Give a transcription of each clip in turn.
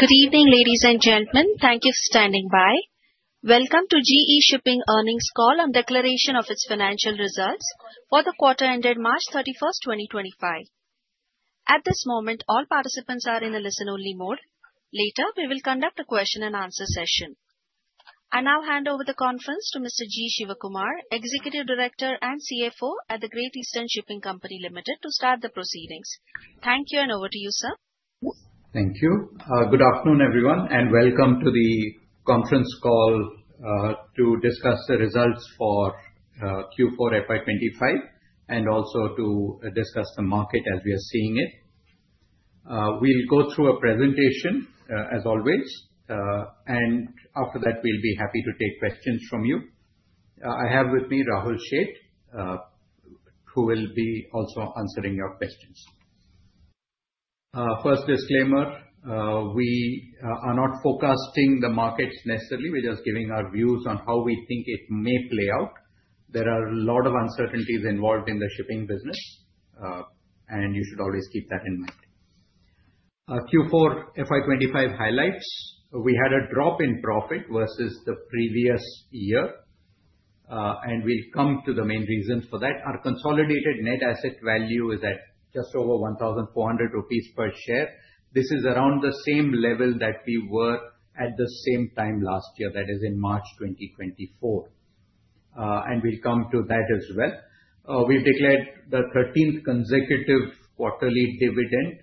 Good evening, ladies and gentlemen. Thank you for standing by. Welcome to GE Shipping Earnings Call on declaration of its financial results for the quarter ended March 31, 2025. At this moment, all participants are in the listen-only mode. Later, we will conduct a question-and-answer session. I now hand over the conference to Mr. G. Shivakumar, Executive Director and CFO at the Great Eastern Shipping Company Limited, to start the proceedings. Thank you, and over to you, sir. Thank you. Good afternoon, everyone, and welcome to the conference call to discuss the results for Q4 FY2025 and also to discuss the market as we are seeing it. We'll go through a presentation, as always, and after that, we'll be happy to take questions from you. I have with me Rahul Sheth, who will be also answering your questions. First disclaimer, we are not forecasting the markets necessarily. We're just giving our views on how we think it may play out. There are a lot of uncertainties involved in the shipping business, and you should always keep that in mind. Q4 FY2025 highlights: we had a drop in profit versus the previous year, and we'll come to the main reasons for that. Our consolidated net asset value is at just over 1,400 rupees per share. This is around the same level that we were at the same time last year, that is in March 2024. We will come to that as well. We have declared the 13th consecutive quarterly dividend,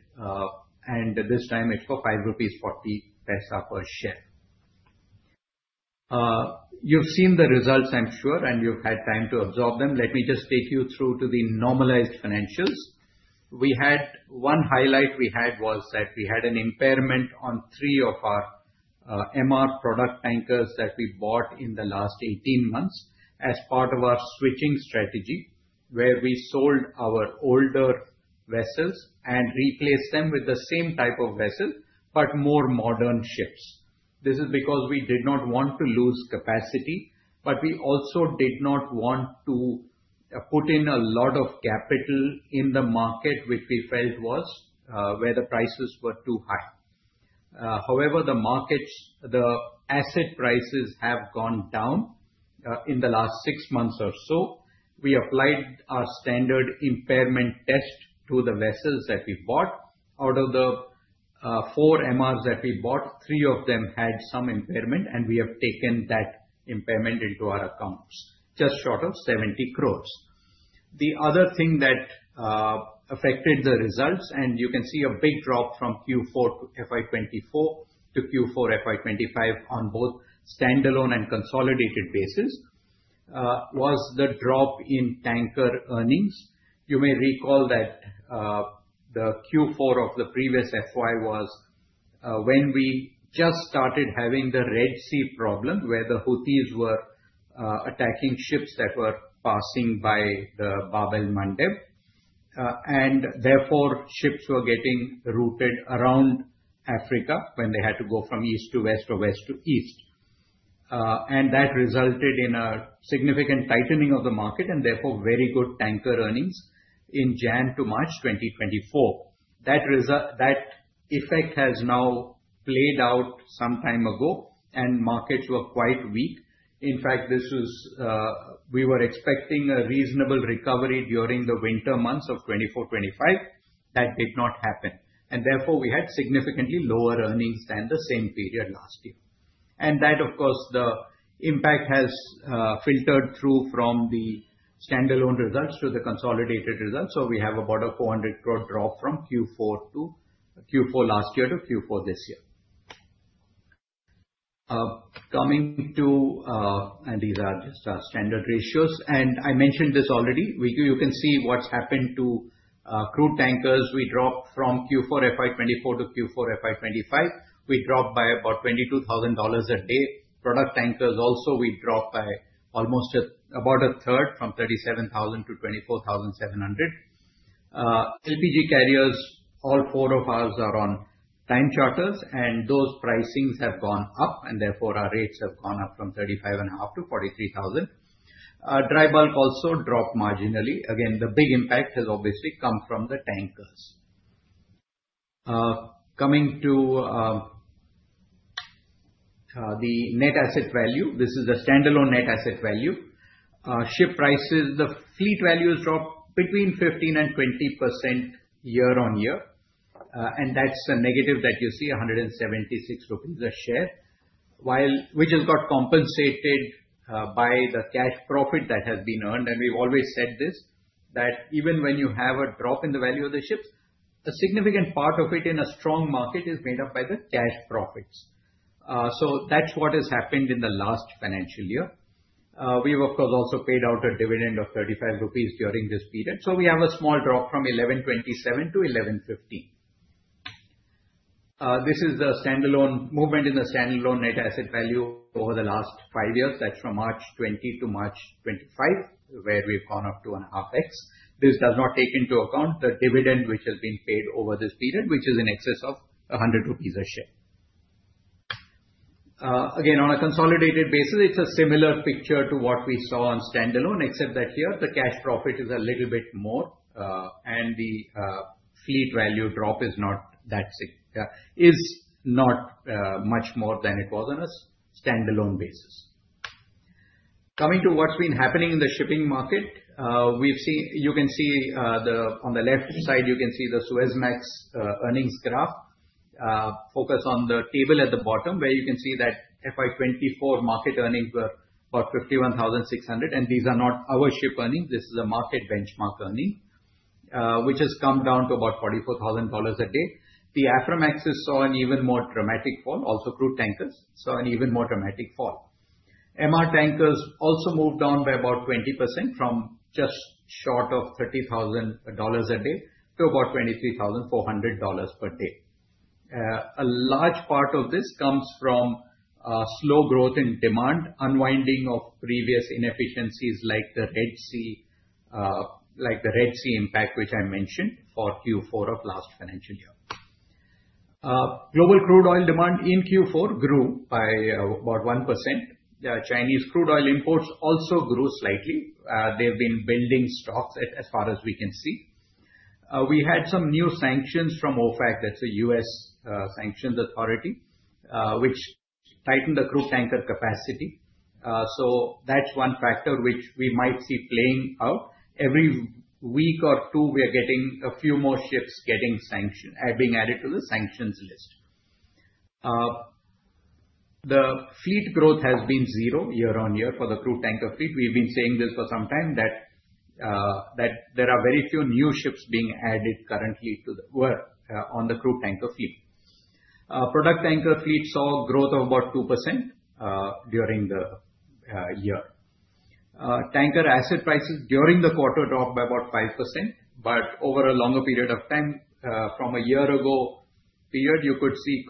and this time it is for 5.40 rupees per share. You have seen the results, I am sure, and you have had time to absorb them. Let me just take you through to the normalized financials. One highlight we had was that we had an impairment on three of our MR product tankers that we bought in the last 18 months as part of our switching strategy, where we sold our older vessels and replaced them with the same type of vessel, but more modern ships. This is because we did not want to lose capacity, but we also did not want to put in a lot of capital in the market, which we felt was where the prices were too high. However, the asset prices have gone down in the last six months or so. We applied our standard impairment test to the vessels that we bought. Out of the four MR Tankers that we bought, three of them had some impairment, and we have taken that impairment into our accounts, just short of 700,000,000. The other thing that affected the results, and you can see a big drop from Q4 FY2024 to Q4 FY2025 on both standalone and consolidated basis, was the drop in tanker earnings. You may recall that the Q4 of the previous FY was when we just started having the Red Sea problem, where the Houthis were attacking ships that were passing by the Bab-el-Mandeb, and therefore ships were getting routed around Africa when they had to go from east to west or west to east. That resulted in a significant tightening of the market and therefore very good tanker earnings in January to March 2024. That effect has now played out some time ago, and markets were quite weak. In fact, we were expecting a reasonable recovery during the winter months of 2024-2025. That did not happen. Therefore, we had significantly lower earnings than the same period last year. That, of course, the impact has filtered through from the standalone results to the consolidated results. We have about 400 crore drop from Q4 last year to Q4 this year. Coming to, and these are just our standard ratios, and I mentioned this already. You can see what's happened to crude tankers. We dropped from Q4 FY24 to Q4 FY25. We dropped by about $22,000 a day. Product tankers also we dropped by almost about a third from $37,000 to $24,700. LPG carriers, all four of ours are on time charters, and those pricings have gone up, and therefore our rates have gone up from $35,500 to $43,000. Dry bulk also dropped marginally. Again, the big impact has obviously come from the tankers. Coming to the net asset value, this is the standalone net asset value. Ship prices, the fleet values dropped between 15%-20% year on year, and that's the negative that you see, 176 rupees a share, which has got compensated by the cash profit that has been earned. We've always said this, that even when you have a drop in the value of the ships, a significant part of it in a strong market is made up by the cash profits. That's what has happened in the last financial year. We've, of course, also paid out a dividend of 35 rupees during this period. We have a small drop from 1,127 to 1,115. This is the standalone movement in the standalone net asset value over the last five years. That's from March 2020 to March 2025, where we've gone up to INR 1.5x. This does not take into account the dividend which has been paid over this period, which is in excess of 100 rupees a share. Again, on a consolidated basis, it's a similar picture to what we saw on standalone, except that here the cash profit is a little bit more, and the fleet value drop is not that significant, is not much more than it was on a standalone basis. Coming to what's been happening in the shipping market, you can see on the left side, you can see the Suezmax earnings graph. Focus on the table at the bottom, where you can see that FY24 market earnings were about $51,600, and these are not our ship earnings. This is a market benchmark earning, which has come down to about $44,000 a day. The Aframax is saw an even more dramatic fall. Also, crude tankers saw an even more dramatic fall. MR tankers also moved down by about 20% from just short of $30,000 a day to about $23,400 per day. A large part of this comes from slow growth in demand, unwinding of previous inefficiencies like the Red Sea impact, which I mentioned for Q4 of last financial year. Global crude oil demand in Q4 grew by about 1%. Chinese crude oil imports also grew slightly. They've been building stocks as far as we can see. We had some new sanctions from OFAC. That's a U.S. sanctions authority, which tightened the crude tanker capacity. That's one factor which we might see playing out. Every week or two, we are getting a few more ships being added to the sanctions list. The fleet growth has been zero year on year for the crude tanker fleet. We've been saying this for some time that there are very few new ships being added currently to the world on the crude tanker fleet. Product tanker fleet saw growth of about 2% during the year. Tanker asset prices during the quarter dropped by about 5%, but over a longer period of time from a year ago period, you could see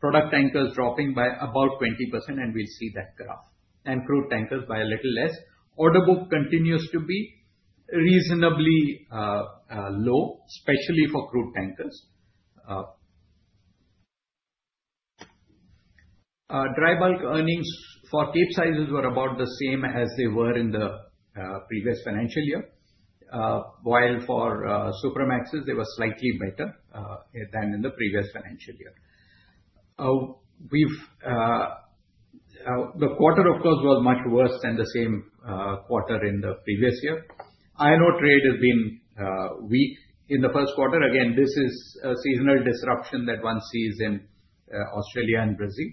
product tankers dropping by about 20%, and we'll see that graph. And crude tankers by a little less. Order book continues to be reasonably low, especially for crude tankers. Dry bulk earnings for cape sizes were about the same as they were in the previous financial year, while for Supramaxis, they were slightly better than in the previous financial year. The quarter, of course, was much worse than the same quarter in the previous year. Iron ore trade has been weak in the first quarter. Again, this is a seasonal disruption that one sees in Australia and Brazil.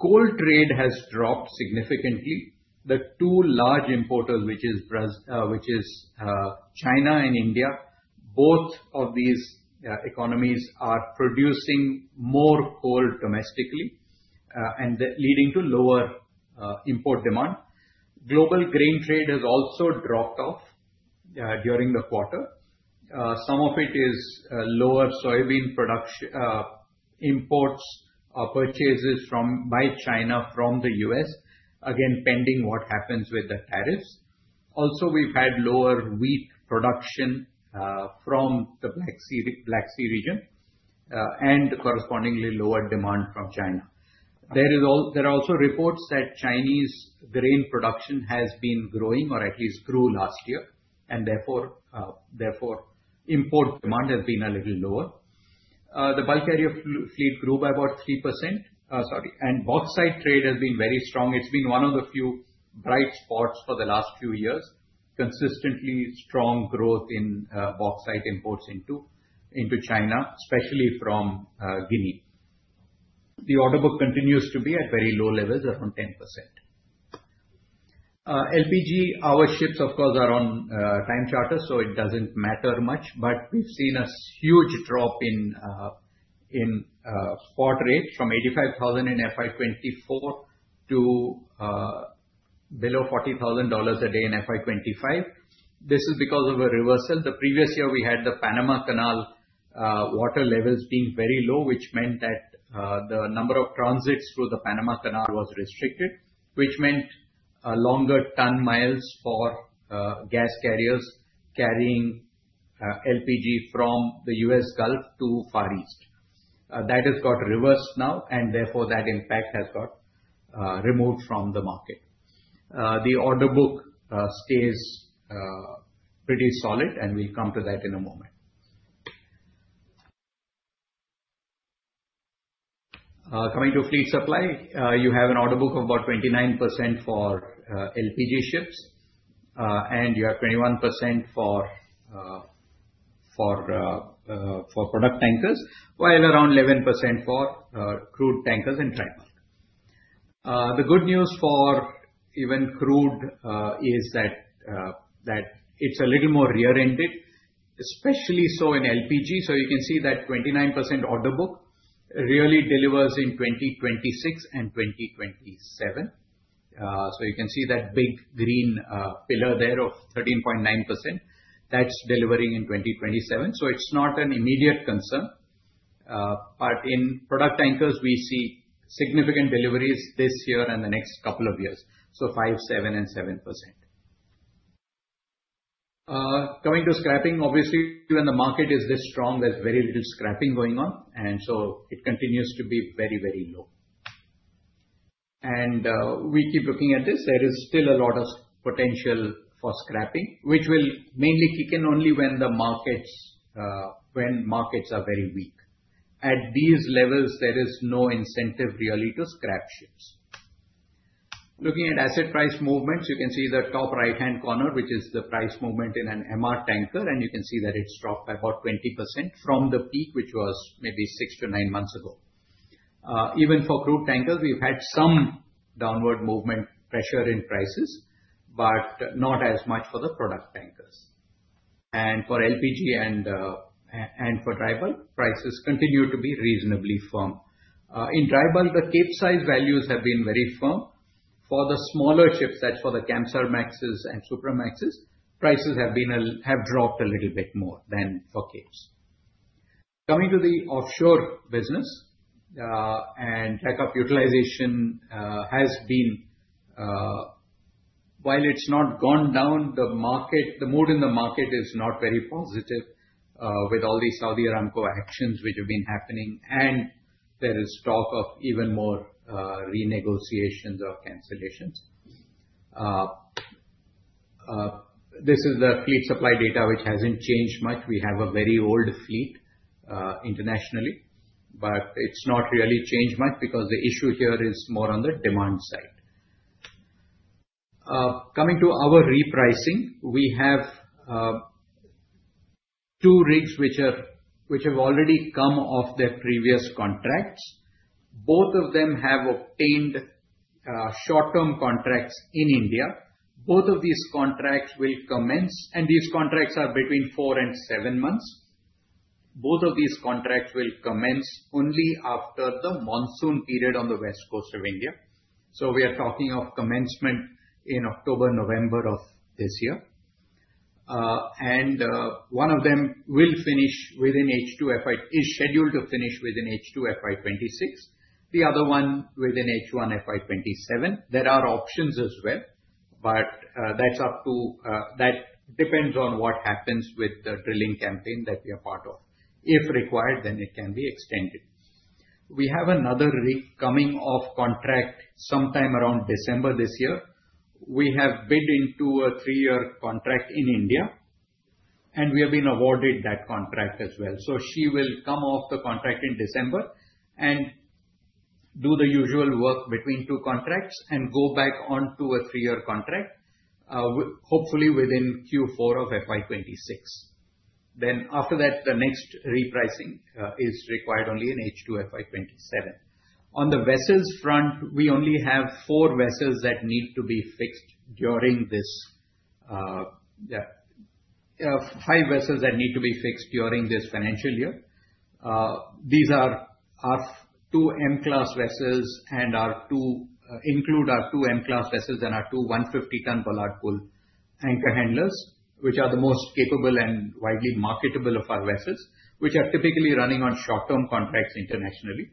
Coal trade has dropped significantly. The two large importers, which is China and India, both of these economies are producing more coal domestically, and that's leading to lower import demand. Global grain trade has also dropped off during the quarter. Some of it is lower soybean imports or purchases by China from the U.S., again, pending what happens with the tariffs. Also, we've had lower wheat production from the Black Sea region and correspondingly lower demand from China. There are also reports that Chinese grain production has been growing or at least grew last year, and therefore import demand has been a little lower. The bulk carrier fleet grew by about 3%. And bauxite trade has been very strong. It's been one of the few bright spots for the last few years. Consistently strong growth in bauxite imports into China, especially from Guinea. The order book continues to be at very low levels, around 10%. LPG, our ships, of course, are on time charters, so it does not matter much, but we have seen a huge drop in port rates from $85,000 in FY2024 to below $40,000 a day in FY2025. This is because of a reversal. The previous year, we had the Panama Canal water levels being very low, which meant that the number of transits through the Panama Canal was restricted, which meant longer ton-miles for gas carriers carrying LPG from the U.S. Gulf to Far East. That has got reversed now, and therefore that impact has got removed from the market. The order book stays pretty solid, and we will come to that in a moment. Coming to fleet supply, you have an order book of about 29% for LPG ships, and you have 21% for product tankers, while around 11% for crude tankers and dry bulk. The good news for even crude is that it's a little more rear-ended, especially so in LPG. You can see that 29% order book really delivers in 2026 and 2027. You can see that big green pillar there of 13.9%. That is delivering in 2027. It is not an immediate concern, but in product tankers, we see significant deliveries this year and the next couple of years, so 5%, 7%, and 7%. Coming to scrapping, obviously, when the market is this strong, there is very little scrapping going on, and it continues to be very, very low. We keep looking at this. There is still a lot of potential for scrapping, which will mainly kick in only when markets are very weak. At these levels, there is no incentive really to scrap ships. Looking at asset price movements, you can see the top right-hand corner, which is the price movement in an MR tanker, and you can see that it's dropped by about 20% from the peak, which was maybe six to nine months ago. Even for crude tankers, we've had some downward movement pressure in prices, but not as much for the product tankers. For LPG and for dry bulk, prices continue to be reasonably firm. In dry bulk, the Cape Size values have been very firm. For the smaller ships, that is for the Kamsarmaxes and Supramaxes, prices have dropped a little bit more than for Capes. Coming to the offshore business and backup utilization has been, while it's not gone down, the mood in the market is not very positive with all these Saudi Aramco actions which have been happening, and there is talk of even more renegotiations or cancellations. This is the fleet supply data, which hasn't changed much. We have a very old fleet internationally, but it's not really changed much because the issue here is more on the demand side. Coming to our repricing, we have two rigs which have already come off their previous contracts. Both of them have obtained short-term contracts in India. Both of these contracts will commence, and these contracts are between four and seven months. Both of these contracts will commence only after the monsoon period on the west coast of India. We are talking of commencement in October, November of this year. One of them is scheduled to finish within H2FY26. The other one within H1FY27. There are options as well, but that depends on what happens with the drilling campaign that we are part of. If required, then it can be extended. We have another rig coming off contract sometime around December this year. We have bid into a three-year contract in India, and we have been awarded that contract as well. She will come off the contract in December and do the usual work between two contracts and go back onto a three-year contract, hopefully within Q4 of FY26. After that, the next repricing is required only in H2FY27. On the vessels front, we only have five vessels that need to be fixed during this financial year. These are our two M-class vessels and include our two M-class vessels and our two 150-ton Bollard Pull anchor handlers, which are the most capable and widely marketable of our vessels, which are typically running on short-term contracts internationally,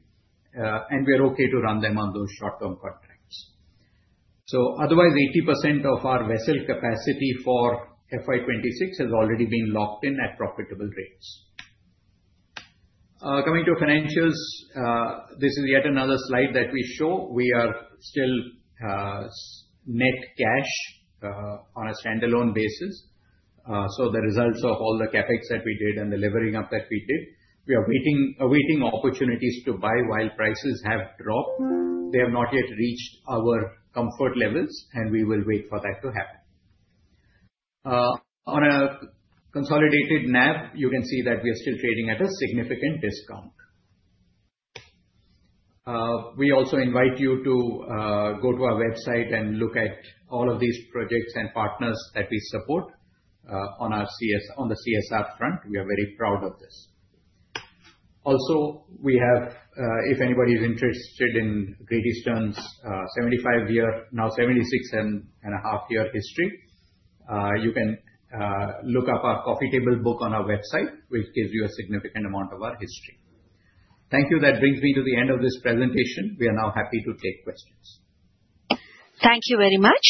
and we are okay to run them on those short-term contracts. Otherwise, 80% of our vessel capacity for FY26 has already been locked in at profitable rates. Coming to financials, this is yet another slide that we show. We are still net cash on a standalone basis. The results of all the CapEx that we did and the levering up that we did, we are awaiting opportunities to buy while prices have dropped. They have not yet reached our comfort levels, and we will wait for that to happen. On a consolidated NAV, you can see that we are still trading at a significant discount. We also invite you to go to our website and look at all of these projects and partners that we support on the CSR front. We are very proud of this. Also, if anybody is interested in Great Eastern's 75 year, now 76 and a half year history, you can look up our coffee table book on our website, which gives you a significant amount of our history. Thank you. That brings me to the end of this presentation. We are now happy to take questions. Thank you very much.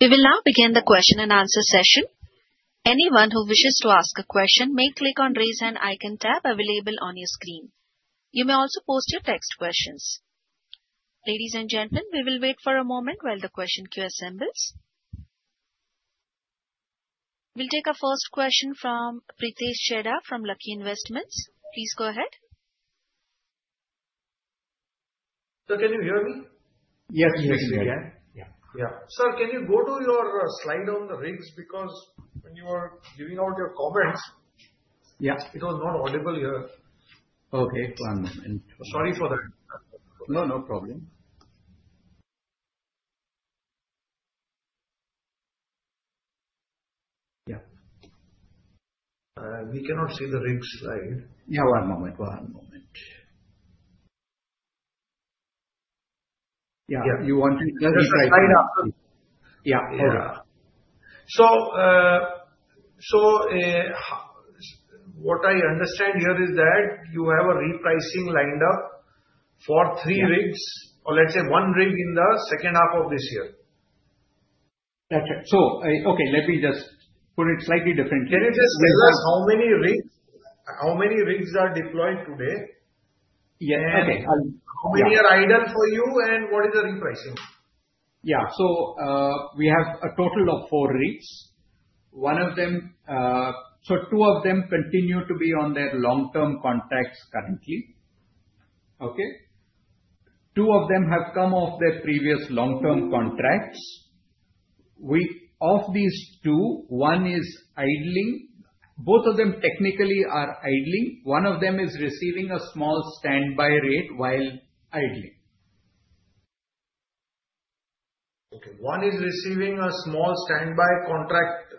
We will now begin the question and answer session. Anyone who wishes to ask a question may click on the raise hand icon tab available on your screen. You may also post your text questions. Ladies and gentlemen, we will wait for a moment while the question queue assembles. We'll take our first question from Prithesh Cheda from Lucky Investments. Please go ahead. So can you hear me? Yes, yes, you can. Yeah. Yeah. Sir, can you go to your slide on the rigs? Because when you were giving out your comments, it was not audible here. Okay. One moment. Sorry for that. No, no problem. Yeah. We cannot see the rig slide. Yeah. One moment. One moment. Yeah. You want to see the slide after? Yeah. Okay. So what I understand here is that you have a repricing lined up for three rigs, or let's say one rig in the second half of this year. That's right. Okay, let me just put it slightly differently. you just tell us how many rigs are deployed today? Yeah. Okay. How many are idle for you, and what is the repricing? Yeah. So we have a total of four rigs. One of them, so two of them continue to be on their long-term contracts currently. Okay. Two of them have come off their previous long-term contracts. Of these two, one is idling. Both of them technically are idling. One of them is receiving a small standby rate while idling. Okay. One is receiving a small standby contract,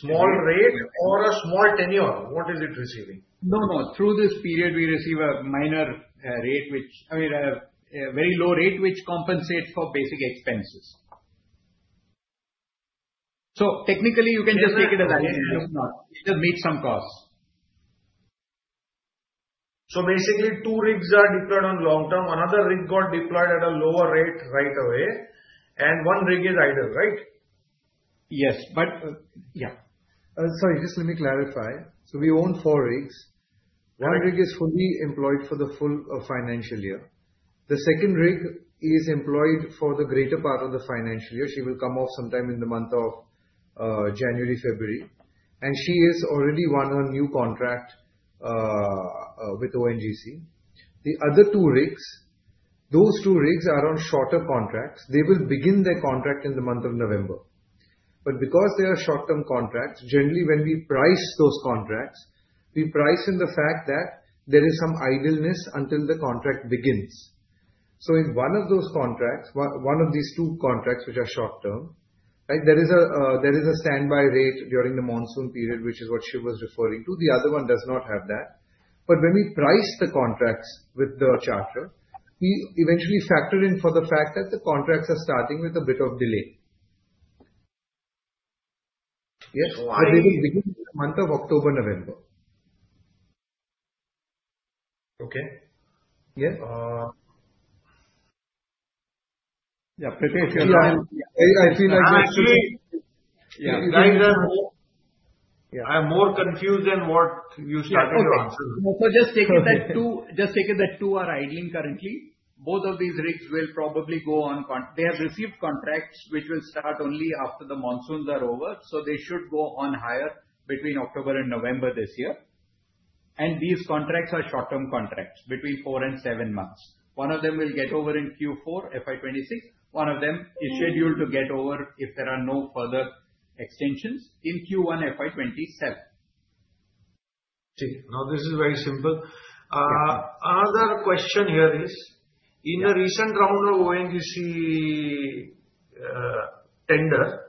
small rate, or a small tenure. What is it receiving? No, no. Through this period, we receive a minor rate, which, I mean, a very low rate which compensates for basic expenses. Technically, you can just take it as idling. It does not meet some costs. Basically, two rigs are deployed on long term. Another rig got deployed at a lower rate right away, and one rig is idle, right? Yes. Yeah. Sorry, just let me clarify. We own four rigs. One rig is fully employed for the full financial year. The second rig is employed for the greater part of the financial year. She will come off sometime in the month of January, February. She has already won her new contract with ONGC. The other two rigs, those two rigs are on shorter contracts. They will begin their contract in the month of November. Because they are short-term contracts, generally, when we price those contracts, we price in the fact that there is some idleness until the contract begins. In one of those contracts, one of these two contracts which are short-term, there is a standby rate during the monsoon period, which is what she was referring to. The other one does not have that. When we price the contracts with the charter, we eventually factor in for the fact that the contracts are starting with a bit of delay. Yes. They will begin in the month of October, November. Okay. Yeah. Yeah. I feel like it's just, yeah, I'm more confused than what you started to answer. Just take it that two are idling currently. Both of these rigs will probably go on. They have received contracts which will start only after the monsoons are over, so they should go on hire between October and November this year. These contracts are short-term contracts between four and seven months. One of them will get over in Q4 FY2026. One of them is scheduled to get over, if there are no further extensions, in Q1 FY2027. Okay. Now, this is very simple. Another question here is, in the recent round of ONGC tender,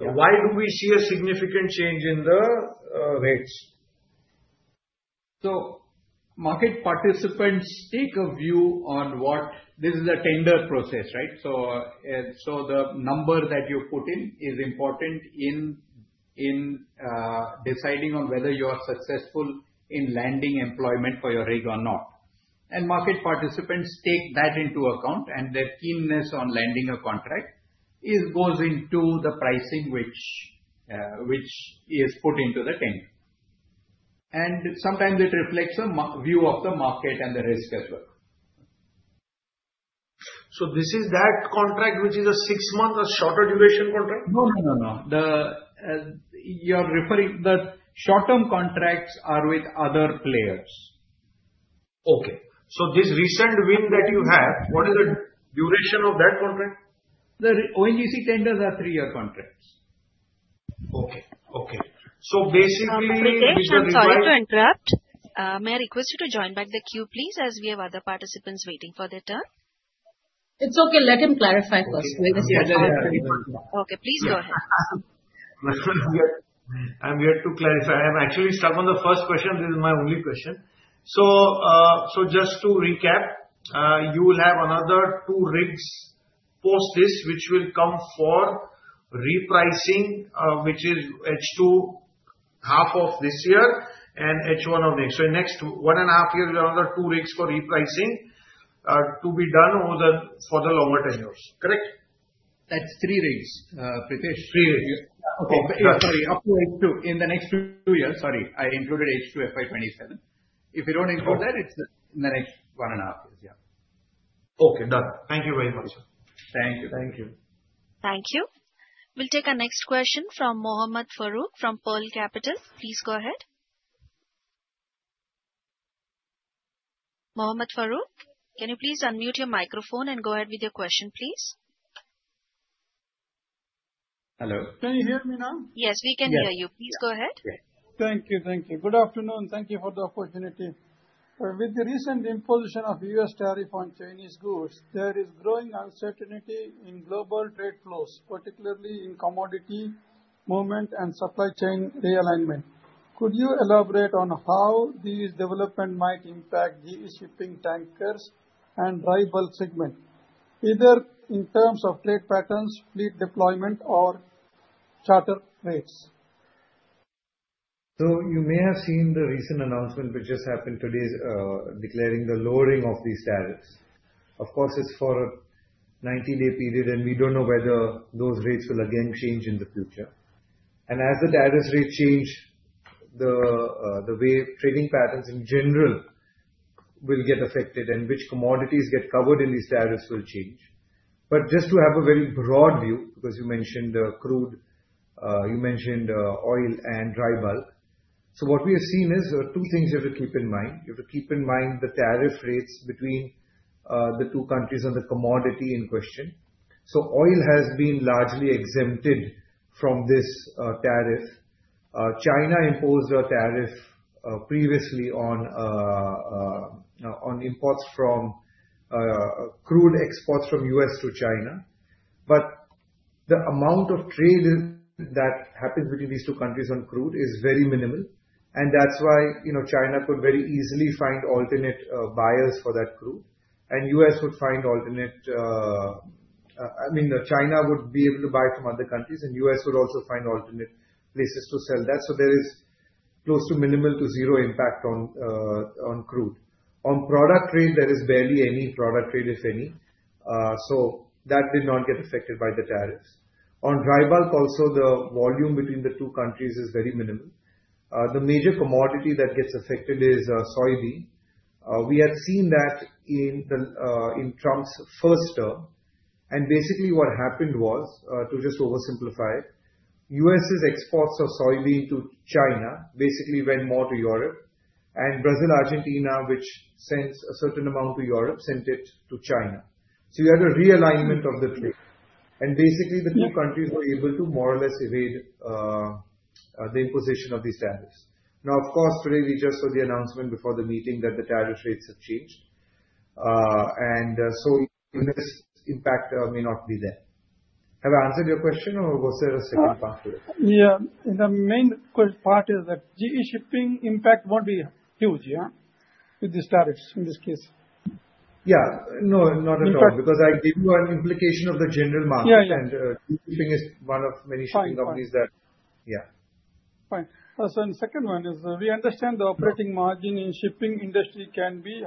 why do we see a significant change in the rates? Market participants take a view on what this is, a tender process, right? The number that you put in is important in deciding on whether you are successful in landing employment for your rig or not. Market participants take that into account, and their keenness on landing a contract goes into the pricing which is put into the tender. Sometimes it reflects a view of the market and the risk as well. So this that contract which is a six-month, a shorter duration contract? No, no, no. You're referring, that short-term contracts are with other players. Okay. This recent win that you have, what is the duration of that contract? The ONGC tenders are three-year contracts. Okay. Okay. So basically, this is a recent. Sorry to interrupt. May I request you to join back the queue, please, as we have other participants waiting for their turn? It's okay. Let him clarify first. Okay. Please go ahead. I'm here to clarify. I'm actually stuck on the first question. This is my only question. Just to recap, you will have another two rigs post this, which will come for repricing, which is H2 half of this year and H1 of next. So next one and a half years, there are another two rigs for repricing to be done for the longer tenures. Correct? That's three rigs, Prithesh. Three rigs. Okay. Sorry. Up to H2 in the next two years. Sorry. I included H2 FY2027. If you don't include that, it's in the next one and a half years. Yeah. Okay. Done. Thank you very much. Thank you. Thank you. Thank you. We'll take our next question from Mohammad Farooq from Pearl Capitals. Please go ahead. Mohammad Farooq, can you please unmute your microphone and go ahead with your question, please? Hello. Can you hear me now? Yes, we can hear you. Please go ahead. Thank you. Thank you. Good afternoon. Thank you for the opportunity. With the recent imposition of U.S. tariff on Chinese goods, there is growing uncertainty in global trade flows, particularly in commodity movement and supply chain realignment. Could you elaborate on how these developments might impact the shipping tankers and dry bulk segment, either in terms of trade patterns, fleet deployment, or charter rates? You may have seen the recent announcement which just happened today declaring the lowering of these tariffs. Of course, it is for a 90-day period, and we do not know whether those rates will again change in the future. As the tariffs rate change, the way trading patterns in general will get affected and which commodities get covered in these tariffs will change. Just to have a very broad view, because you mentioned crude, you mentioned oil and ribald. What we have seen is two things you have to keep in mind. You have to keep in mind the tariff rates between the two countries on the commodity in question. Oil has been largely exempted from this tariff. China imposed a tariff previously on imports from crude exports from U.S. to China. The amount of trade that happens between these two countries on crude is very minimal. That is why China could very easily find alternate buyers for that crude. U.S. would find alternate, I mean, China would be able to buy from other countries, and U.S. would also find alternate places to sell that. There is close to minimal to zero impact on crude. On product trade, there is barely any product trade, if any. That did not get affected by the tariffs. On dry bulk, also, the volume between the two countries is very minimal. The major commodity that gets affected is soybean. We had seen that in Trump's first term. Basically, what happened was, to just oversimplify it, U.S.'s exports of soybean to China basically went more to Europe, and Brazil, Argentina, which sent a certain amount to Europe, sent it to China. You had a realignment of the trade. Basically, the two countries were able to more or less evade the imposition of these tariffs. Now, of course, today, we just saw the announcement before the meeting that the tariff rates have changed. And so this impact may not be there. Have I answered your question, or was there a second part to it? Yeah. The main part is that GE Shipping impact won't be huge, yeah, with these tariffs in this case. Yeah. No, not at all. Because I gave you an implication of the general market. And GE Shipping is one of many shipping companies that yeah. Fine. So the second one is we understand the operating margin in shipping industry can be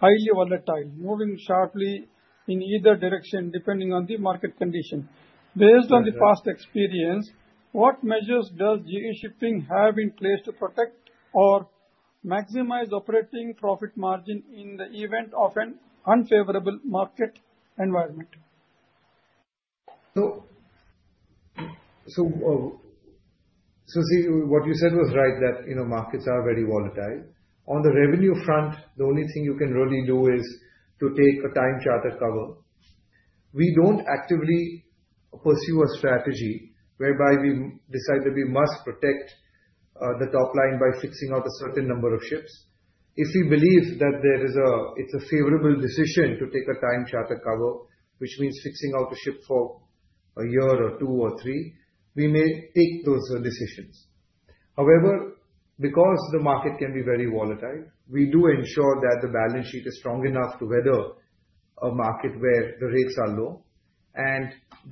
highly volatile, moving sharply in either direction depending on the market condition. Based on the past experience, what measures does GE Shipping have in place to protect or maximize operating profit margin in the event of an unfavorable market environment? See, what you said was right, that markets are very volatile. On the revenue front, the only thing you can really do is to take a time charter cover. We do not actively pursue a strategy whereby we decide that we must protect the top line by fixing out a certain number of ships. If we believe that it is a favorable decision to take a time charter cover, which means fixing out a ship for a year or two or three, we may take those decisions. However, because the market can be very volatile, we do ensure that the balance sheet is strong enough to weather a market where the rates are low.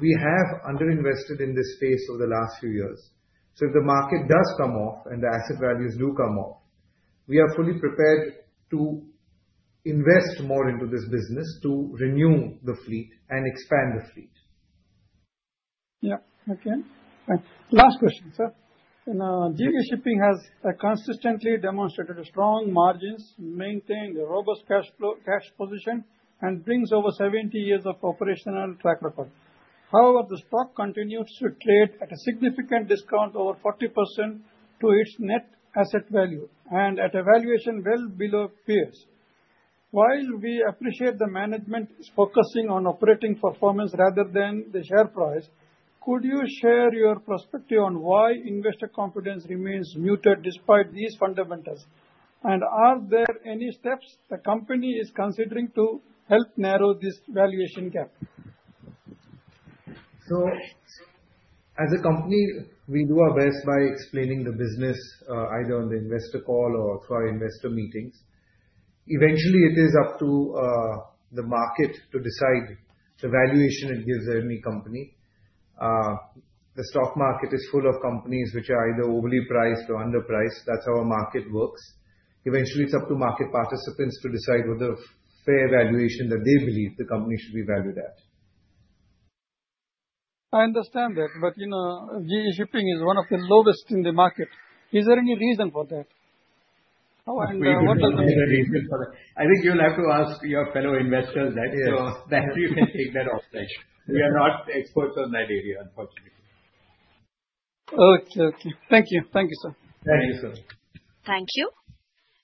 We have underinvested in this space over the last few years. If the market does come off and the asset values do come off, we are fully prepared to invest more into this business to renew the fleet and expand the fleet. Yeah. Okay. Last question, sir. GE Shipping has consistently demonstrated strong margins, maintained a robust cash position, and brings over 70 years of operational track record. However, the stock continues to trade at a significant discount, over 40% to its net asset value, and at a valuation well below peers. While we appreciate the management is focusing on operating performance rather than the share price, could you share your perspective on why investor confidence remains muted despite these fundamentals? Are there any steps the company is considering to help narrow this valuation gap? As a company, we do our best by explaining the business either on the investor call or through our investor meetings. Eventually, it is up to the market to decide the valuation it gives any company. The stock market is full of companies which are either overly priced or underpriced. That is how our market works. Eventually, it is up to market participants to decide what the fair valuation that they believe the company should be valued at. I understand that. GE Shipping is one of the lowest in the market. Is there any reason for that? There is a reason for that. I think you will have to ask your fellow investors that so that you can take that off the table. We are not experts on that area, unfortunately. Okay. Thank you. Thank you, sir. Thank you, sir. Thank you.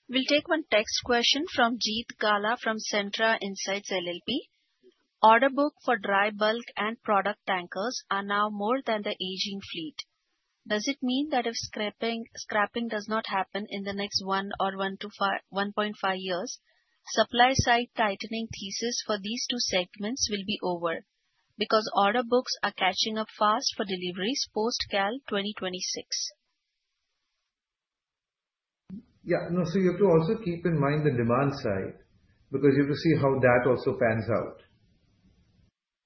We will take one text question from Jeet Gala from Centra Insights LLP. Order book for dry bulk and product tankers are now more than the aging fleet. Does it mean that if scrapping does not happen in the next one or 1.5 years, supply-side tightening thesis for these two segments will be over because order books are catching up fast for deliveries post-calendar 2026? Yeah. No, you have to also keep in mind the demand side because you have to see how that also pans out.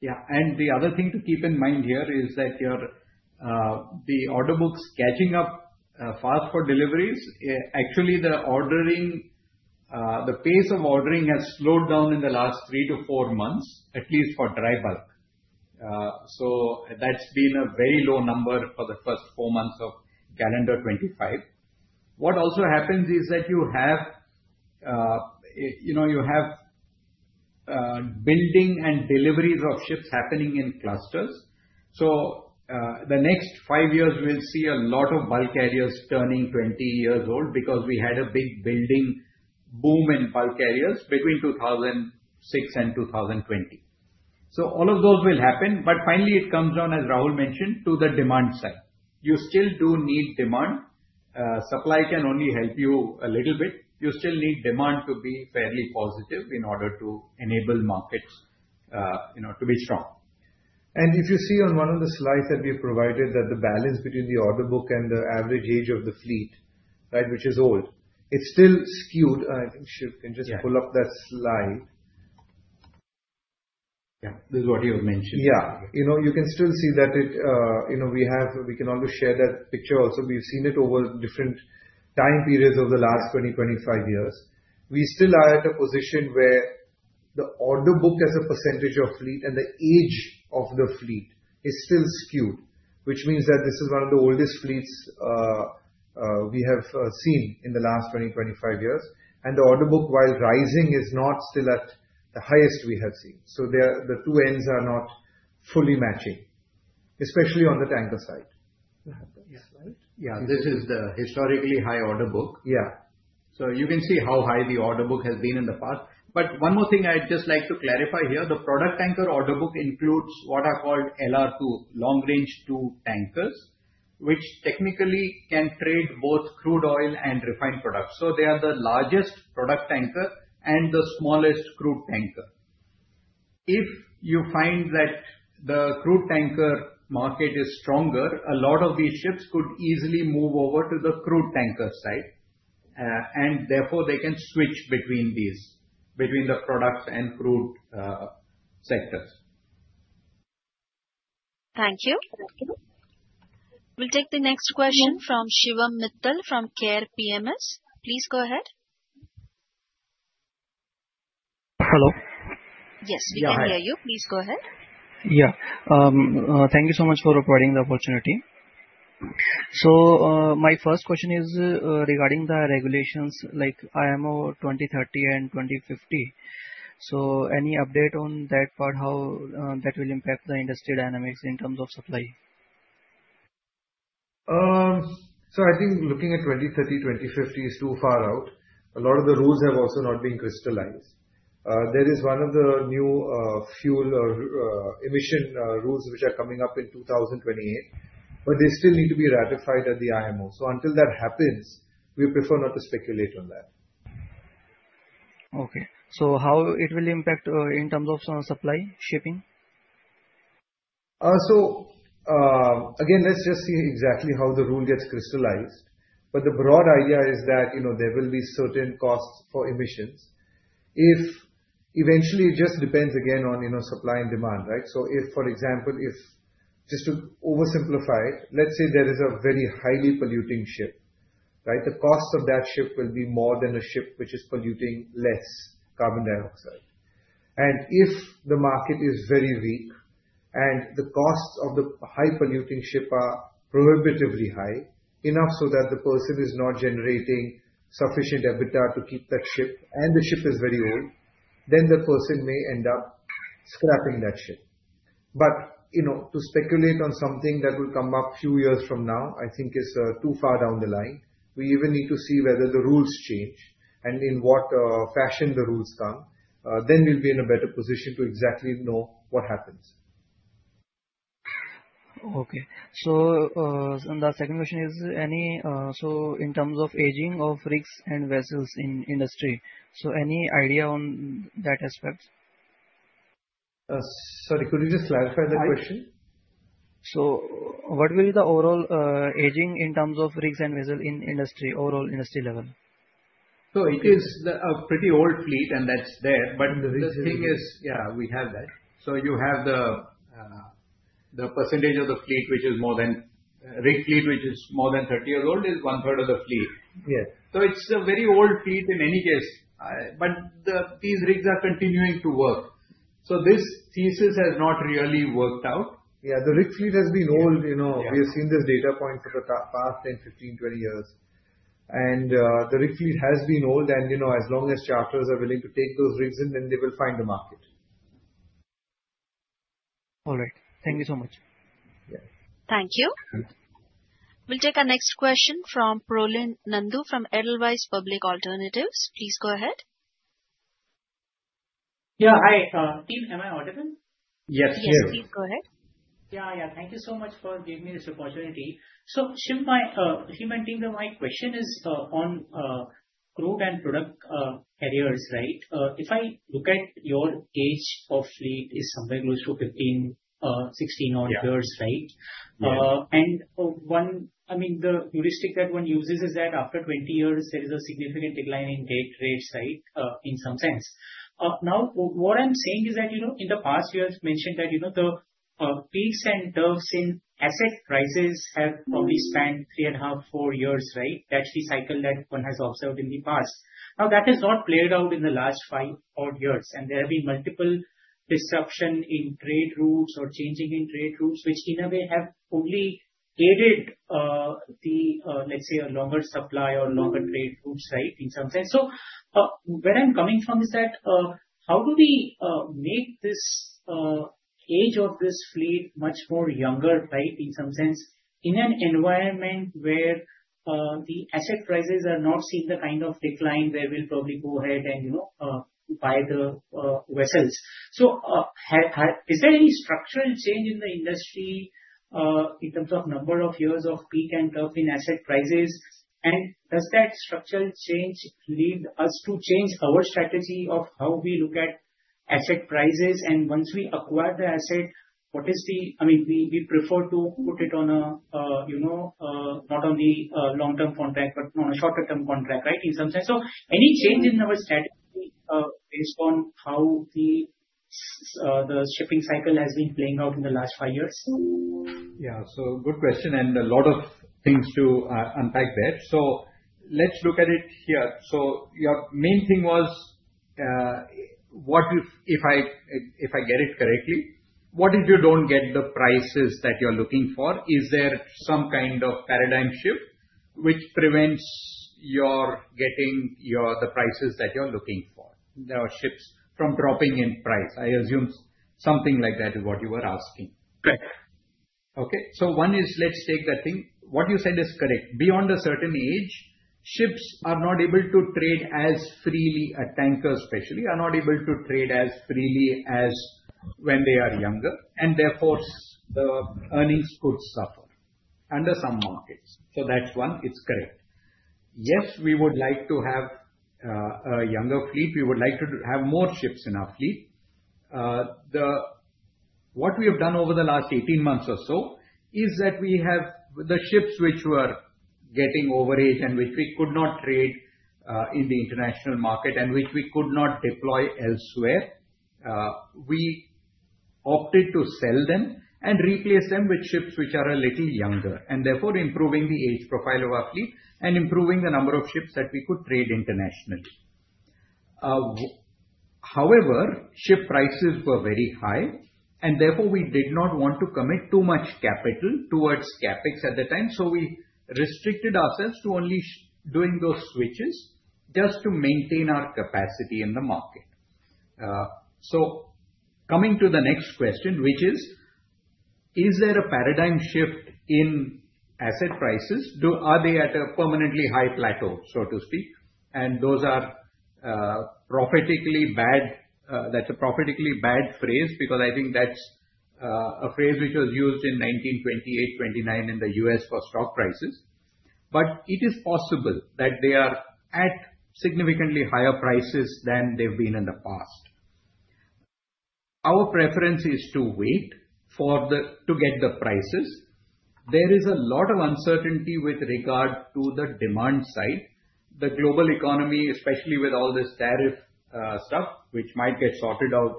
Yeah. The other thing to keep in mind here is that the order books catching up fast for deliveries, actually, the pace of ordering has slowed down in the last three to four months, at least for dry bulk. That has been a very low number for the first four months of calendar 2025. What also happens is that you have building and deliveries of ships happening in clusters. The next five years, we'll see a lot of bulk carriers turning 20 years old because we had a big building boom in bulk carriers between 2006 and 2020. All of those will happen. Finally, it comes down, as Rahul mentioned, to the demand side. You still do need demand. Supply can only help you a little bit. You still need demand to be fairly positive in order to enable markets to be strong. If you see on one of the slides that we have provided, the balance between the order book and the average age of the fleet, which is old, it's still skewed. I think you can just pull up that slide. Yeah. This is what you have mentioned. Yeah. You can still see that. We can always share that picture also. We've seen it over different time periods over the last 20-25 years. We still are at a position where the order book as a percentage of fleet and the age of the fleet is still skewed, which means that this is one of the oldest fleets we have seen in the last 20-25 years. The order book, while rising, is not still at the highest we have seen. The two ends are not fully matching, especially on the tanker side. This is the historically high order book. You can see how high the order book has been in the past. One more thing I'd just like to clarify here. The product tanker order book includes what are called LR2, long-range tankers, which technically can trade both crude oil and refined products. They are the largest product tanker and the smallest crude tanker. If you find that the crude tanker market is stronger, a lot of these ships could easily move over to the crude tanker side. Therefore, they can switch between the products and crude sectors. Thank you. We'll take the next question from Shivam Mittal from Kehr PMS. Please go ahead. Hello. Yes, we can hear you. Please go ahead. Yeah. Thank you so much for providing the opportunity. My first question is regarding the regulations. I am over 2030 and 2050. Any update on that part, how that will impact the industry dynamics in terms of supply? I think looking at 2030, 2050 is too far out. A lot of the rules have also not been crystallized. There is one of the new fuel emission rules which are coming up in 2028, but they still need to be ratified at the IMO. Until that happens, we prefer not to speculate on that. Okay. How it will impact in terms of supply shipping? Again, let's just see exactly how the rule gets crystallized. The broad idea is that there will be certain costs for emissions. Eventually, it just depends again on supply and demand, right? For example, just to oversimplify it, let's say there is a very highly polluting ship, right? The cost of that ship will be more than a ship which is polluting less carbon dioxide. If the market is very weak and the costs of the high-polluting ship are prohibitively high, enough so that the person is not generating sufficient EBITDA to keep that ship, and the ship is very old, the person may end up scrapping that ship. To speculate on something that will come up a few years from now, I think, is too far down the line. We even need to see whether the rules change and in what fashion the rules come. We will be in a better position to exactly know what happens. Okay. The second question is, in terms of aging of rigs and vessels in industry, any idea on that aspect? Sorry, could you just clarify the question? What will be the overall aging in terms of rigs and vessels in industry, overall industry level? It is a pretty old fleet, and that's there. The thing is, yeah, we have that. The percentage of the fleet which is more than, rig fleet, which is more than 30 years old, is one-third of the fleet. It is a very old fleet in any case. These rigs are continuing to work. This thesis has not really worked out. Yeah. The rig fleet has been old. We have seen this data point for the past 10, 15, 20 years. The rig fleet has been old. As long as charters are willing to take those rigs in, then they will find a market. All right. Thank you so much. Thank you. We'll take our next question from Proline Nandu from Edelweiss Public Alternatives. Please go ahead. Yeah. Hi, team, am I audible? Yes, yes. Yes, please go ahead. Yeah. Thank you so much for giving me this opportunity. Shivam, my question is on crude and product carriers, right? If I look at your age of fleet, it is somewhere close to 15-16 odd years, right? I mean, the heuristic that one uses is that after 20 years, there is a significant decline in day rates, right, in some sense. Now, what I am saying is that in the past, you have mentioned that the peaks and troughs in asset prices have probably spanned three and a half, four years, right? That is the cycle that one has observed in the past. That has not played out in the last five odd years. There have been multiple disruptions in trade routes or changes in trade routes, which in a way have only aided the, let us say, a longer supply or longer trade routes, right, in some sense. Where I'm coming from is that how do we make this age of this fleet much more younger, right, in some sense, in an environment where the asset prices are not seeing the kind of decline where we'll probably go ahead and buy the vessels? Is there any structural change in the industry in terms of number of years of peak and dove in asset prices? Does that structural change lead us to change our strategy of how we look at asset prices? Once we acquire the asset, I mean, we prefer to put it on a not on the long-term contract, but on a shorter-term contract, right, in some sense. Any change in our strategy based on how the shipping cycle has been playing out in the last five years? Yeah. Good question and a lot of things to unpack there. Let's look at it here. Your main thing was, if I get it correctly, what if you don't get the prices that you're looking for? Is there some kind of paradigm shift which prevents your getting the prices that you're looking for? There are ships from dropping in price. I assume something like that is what you were asking. Correct. One is, let's take that thing. What you said is correct. Beyond a certain age, ships are not able to trade as freely. Tankers, especially, are not able to trade as freely as when they are younger. Therefore, the earnings could suffer under some markets. That's one. It's correct. Yes, we would like to have a younger fleet. We would like to have more ships in our fleet. What we have done over the last 18 months or so is that we have the ships which were getting overage and which we could not trade in the international market and which we could not deploy elsewhere. We opted to sell them and replace them with ships which are a little younger, and therefore improving the age profile of our fleet and improving the number of ships that we could trade internationally. However, ship prices were very high, and therefore we did not want to commit too much capital towards CapEx at the time. We restricted ourselves to only doing those switches just to maintain our capacity in the market. Coming to the next question, which is, is there a paradigm shift in asset prices? Are they at a permanently high plateau, so to speak? Those are prophetically bad. That's a prophetically bad phrase because I think that's a phrase which was used in 1928, 1929 in the U.S. for stock prices. It is possible that they are at significantly higher prices than they've been in the past. Our preference is to wait to get the prices. There is a lot of uncertainty with regard to the demand side. The global economy, especially with all this tariff stuff, which might get sorted out,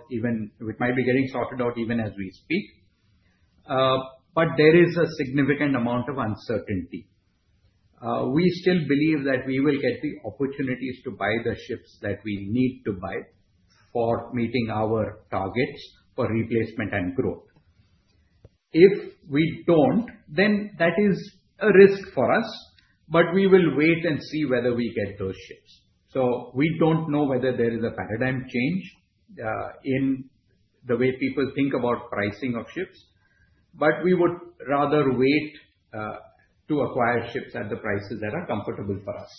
which might be getting sorted out even as we speak. There is a significant amount of uncertainty. We still believe that we will get the opportunities to buy the ships that we need to buy for meeting our targets for replacement and growth. If we don't, then that is a risk for us, but we will wait and see whether we get those ships. We do not know whether there is a paradigm change in the way people think about pricing of ships, but we would rather wait to acquire ships at the prices that are comfortable for us.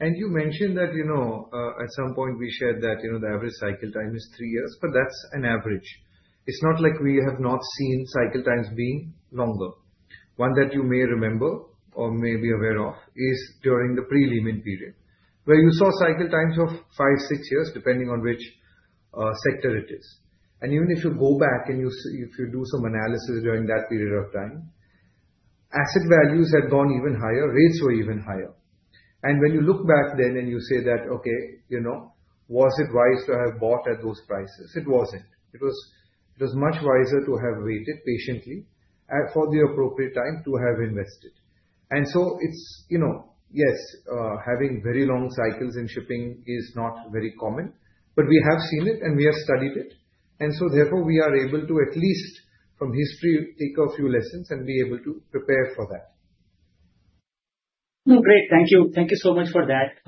You mentioned that at some point we shared that the average cycle time is three years, but that is an average. It is not like we have not seen cycle times being longer. One that you may remember or may be aware of is during the preliminary period where you saw cycle times of five-six years, depending on which sector it is. Even if you go back and if you do some analysis during that period of time, asset values had gone even higher, rates were even higher. When you look back then and you say that, "Okay, was it wise to have bought at those prices?" It was not. It was much wiser to have waited patiently for the appropriate time to have invested. Yes, having very long cycles in shipping is not very common, but we have seen it and we have studied it. Therefore, we are able to at least from history, take a few lessons and be able to prepare for that. Great. Thank you. Thank you so much for that.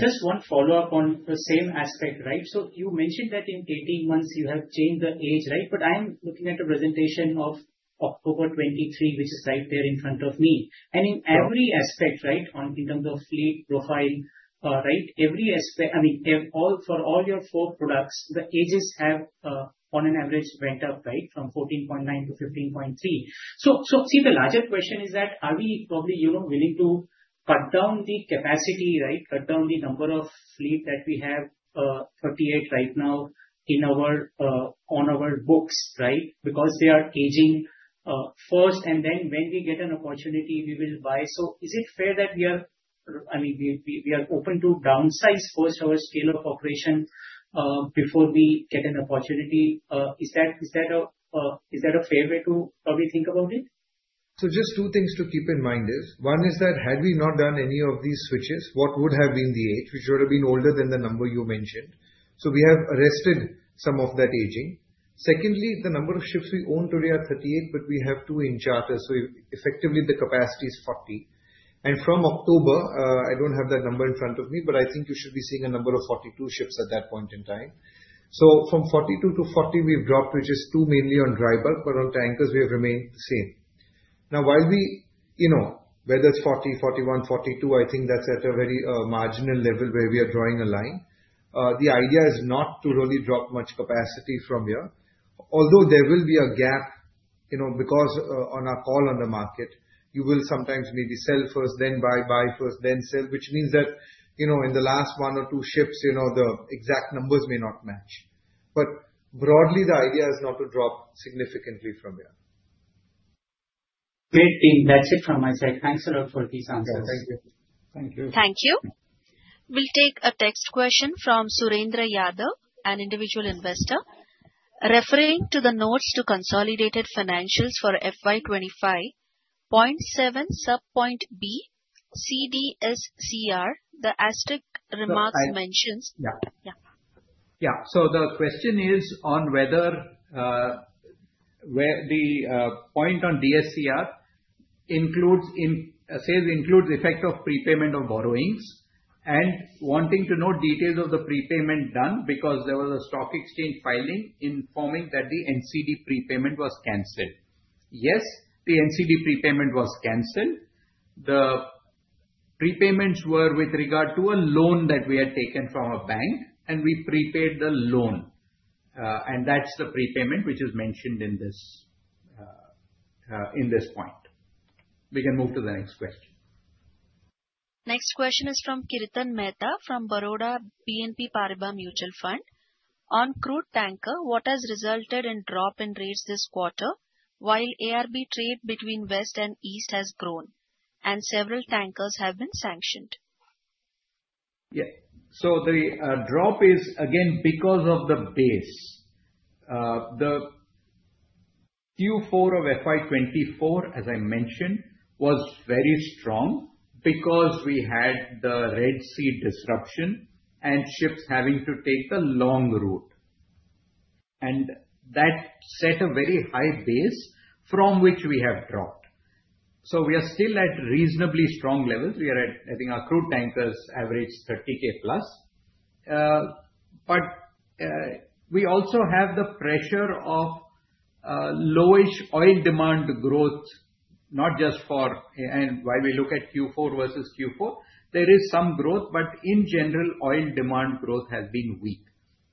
Just one follow-up on the same aspect, right? You mentioned that in 18 months, you have changed the age, right? I am looking at a presentation of October 2023, which is right there in front of me. In every aspect, in terms of fleet profile, I mean, for all your four products, the ages have on an average went up, from 14.9 to 15.3. See, the larger question is that are we probably willing to cut down the capacity, right, cut down the number of fleet that we have, 38 right now on our books, right, because they are aging first? And then when we get an opportunity, we will buy. Is it fair that we are, I mean, we are open to downsize first our scale of operation before we get an opportunity? Is that a fair way to probably think about it? Just two things to keep in mind. One is that had we not done any of these switches, what would have been the age? We should have been older than the number you mentioned. We have arrested some of that aging. Secondly, the number of ships we own today are 38, but we have two in charter. Effectively, the capacity is 40. From October, I do not have that number in front of me, but I think you should be seeing a number of 42 ships at that point in time. From 42 to 40, we have dropped, which is two mainly on dry bulk, but on tankers, we have remained the same. Now, whether it is 40, 41, 42, I think that is at a very marginal level where we are drawing a line. The idea is not to really drop much capacity from here. Although there will be a gap because on our call on the market, you will sometimes maybe sell first, then buy, buy first, then sell, which means that in the last one or two ships, the exact numbers may not match. Broadly, the idea is not to drop significantly from here. Great, team. That is it from my side. Thanks a lot for these answers. Thank you. We'll take a text question from Surendra Yadav, an individual investor, referring to the notes to consolidated financials for FY25, point 7, subpoint B, DSCR, the ASTEC remarks mentions. Yeah. So the question is on whether the point on DSCR says includes effect of prepayment of borrowings and wanting to know details of the prepayment done because there was a stock exchange filing informing that the NCD prepayment was canceled. Yes, the NCD prepayment was canceled. The prepayments were with regard to a loan that we had taken from a bank, and we prepaid the loan. And that's the prepayment which is mentioned in this point. We can move to the next question. Next question is from Kirtan Mehta from Baroda BNP Paribas Mutual Fund. On crude tanker, what has resulted in drop in rates this quarter while ARB trade between West and East has grown and several tankers have been sanctioned? Yeah. The drop is, again, because of the base. The Q4 of FY2024, as I mentioned, was very strong because we had the Red Sea disruption and ships having to take the long route. That set a very high base from which we have dropped. We are still at reasonably strong levels. We are at, I think, our crude tankers average $30,000 plus. We also have the pressure of lowish oil demand growth, not just for and while we look at Q4 versus Q4, there is some growth, but in general, oil demand growth has been weak.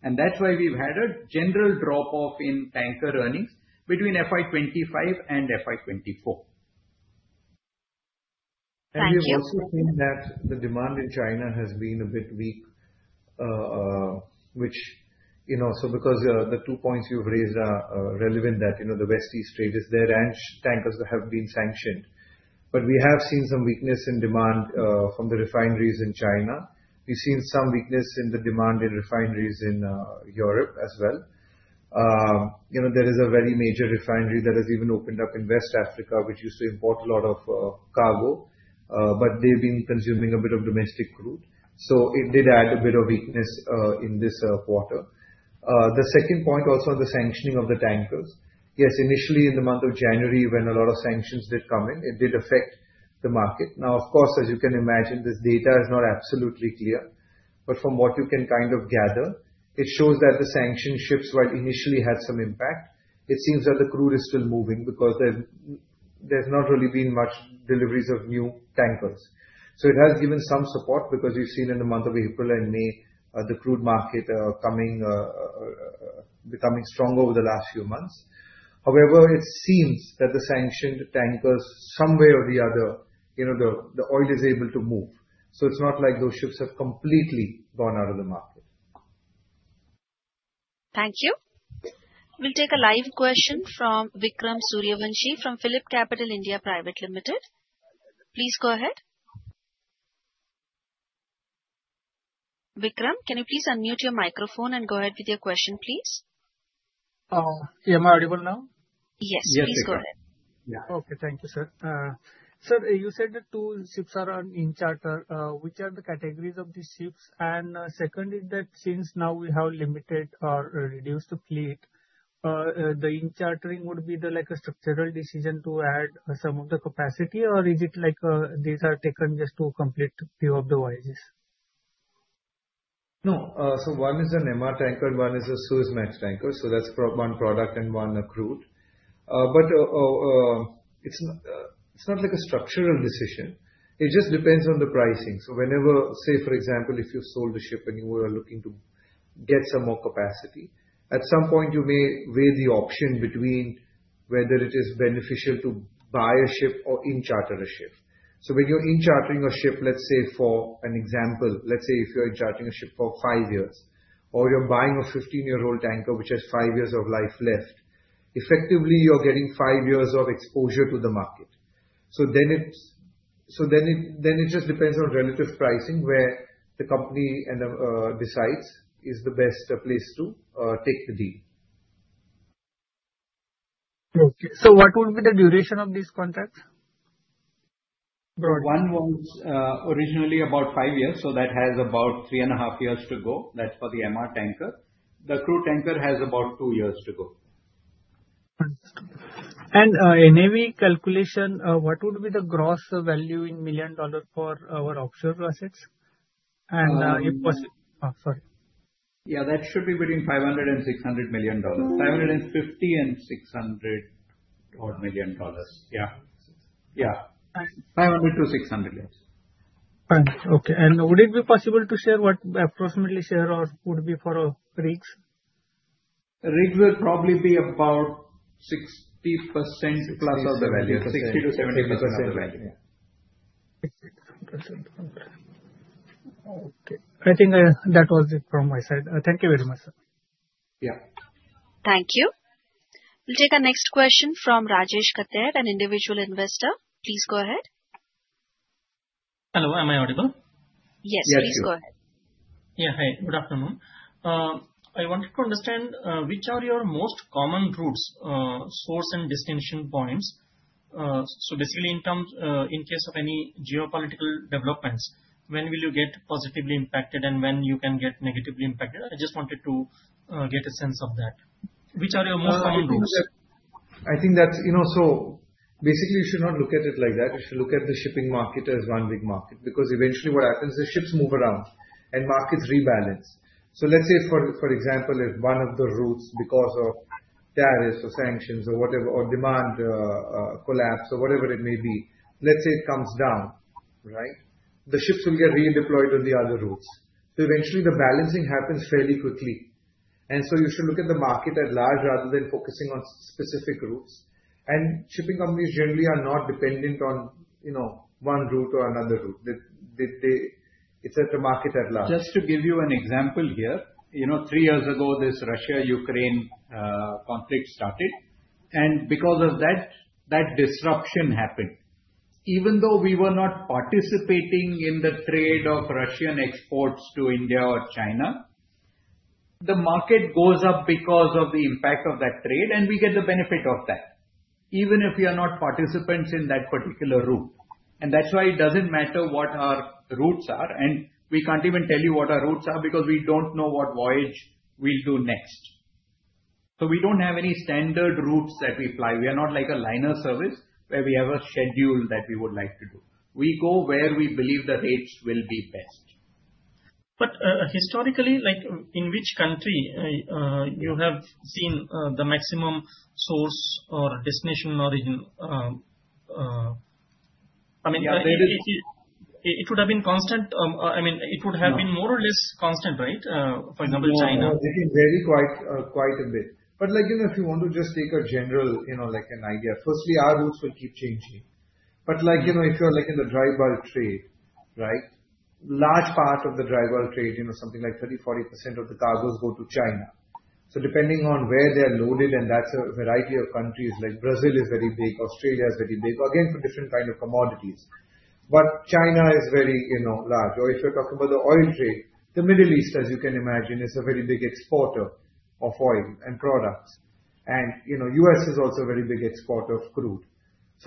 That is why we have had a general drop-off in tanker earnings between FY2025 and FY2024. We have also seen that the demand in China has been a bit weak, which, because the two points you've raised are relevant, that the West East trade is there and tankers have been sanctioned. We have seen some weakness in demand from the refineries in China. We've seen some weakness in the demand in refineries in Europe as well. There is a very major refinery that has even opened up in West Africa, which used to import a lot of cargo, but they've been consuming a bit of domestic crude. It did add a bit of weakness in this quarter. The second point, also on the sanctioning of the tankers, yes, initially in the month of January, when a lot of sanctions did come in, it did affect the market. Now, of course, as you can imagine, this data is not absolutely clear. From what you can kind of gather, it shows that the sanctioned ships, while initially had some impact, it seems that the crude is still moving because there's not really been much deliveries of new tankers. It has given some support because we've seen in the month of April and May, the crude market becoming stronger over the last few months. However, it seems that the sanctioned tankers, some way or the other, the oil is able to move. It's not like those ships have completely gone out of the market. Thank you. We'll take a live question from Vikram Suryavanshi from Philip Capital India Private Limited. Please go ahead. Vikram, can you please unmute your microphone and go ahead with your question, please? Yeah. Am I audible now? Yes. Please go ahead. Yeah. Okay. Thank you, sir. Sir, you said that two ships are in charter. Which are the categories of these ships? Second is that since now we have limited or reduced the fleet, the in-chartering would be like a structural decision to add some of the capacity, or is it like these are taken just to complete a few of the voyages? No. One is an MR tanker, and one is a Suezmax tanker. That is one product and one crude. It is not like a structural decision. It just depends on the pricing. For example, if you have sold a ship and you are looking to get some more capacity, at some point, you may weigh the option between whether it is beneficial to buy a ship or in-charter a ship. When you're in-chartering a ship, let's say for example, if you're in-chartering a ship for five years or you're buying a 15-year-old tanker, which has five years of life left, effectively, you're getting five years of exposure to the market. It just depends on relative pricing where the company decides is the best place to take the deal. Okay. What would be the duration of these contracts? One was originally about five years, so that has about three and a half years to go. That's for the Emma tanker. The crude tanker has about two years to go. And NAV calculation, what would be the gross value in million dollars for our offshore assets? If possible, sorry. That should be between $500 million and $600 million. $550 million and $600 million. Yeah. $500 million to $600 million. Fine. Okay. Would it be possible to share what approximately the share would be for rigs? Rigs will probably be about 60% plus of the value. 60-70% of the value. Yeah. 60%. Okay. I think that was it from my side. Thank you very much, sir. Yeah. Thank you. We'll take the next question from Rajesh Kattar, an individual investor. Please go ahead. Hello. Am I audible? Yes. Please go ahead. Yeah. Hi. Good afternoon. I wanted to understand which are your most common routes, source, and destination points. So basically, in case of any geopolitical developments, when will you get positively impacted and when can you get negatively impacted? I just wanted to get a sense of that. Which are your most common routes? I think that, so basically, you should not look at it like that. You should look at the shipping market as one big market because eventually what happens is ships move around and markets rebalance. For example, if one of the routes, because of tariffs or sanctions or whatever, or demand collapse or whatever it may be, comes down, the ships will get redeployed on the other routes. Eventually, the balancing happens fairly quickly. You should look at the market at large rather than focusing on specific routes. Shipping companies generally are not dependent on one route or another route. It is a market at large. Just to give you an example here, three years ago, this Russia-Ukraine conflict started. Because of that, that disruption happened. Even though we were not participating in the trade of Russian exports to India or China, the market goes up because of the impact of that trade, and we get the benefit of that, even if we are not participants in that particular route. That is why it does not matter what our routes are. We cannot even tell you what our routes are because we do not know what voyage we will do next. We do not have any standard routes that we fly. We are not like a liner service where we have a schedule that we would like to do. We go where we believe the rates will be best. Historically, in which country have you seen the maximum source or destination origin? I mean, it would have been constant. I mean, it would have been more or less constant, right? For example, China. It varied quite a bit. If you want to just take a general idea, firstly, our routes will keep changing. If you're in the dry bulk trade, a large part of the dry bulk trade, something like 30%-40% of the cargoes go to China. Depending on where they're loaded, and that's a variety of countries, like Brazil is very big, Australia is very big, again, for different kinds of commodities. China is very large. If you're talking about the oil trade, the Middle East, as you can imagine, is a very big exporter of oil and products. The US is also a very big exporter of crude.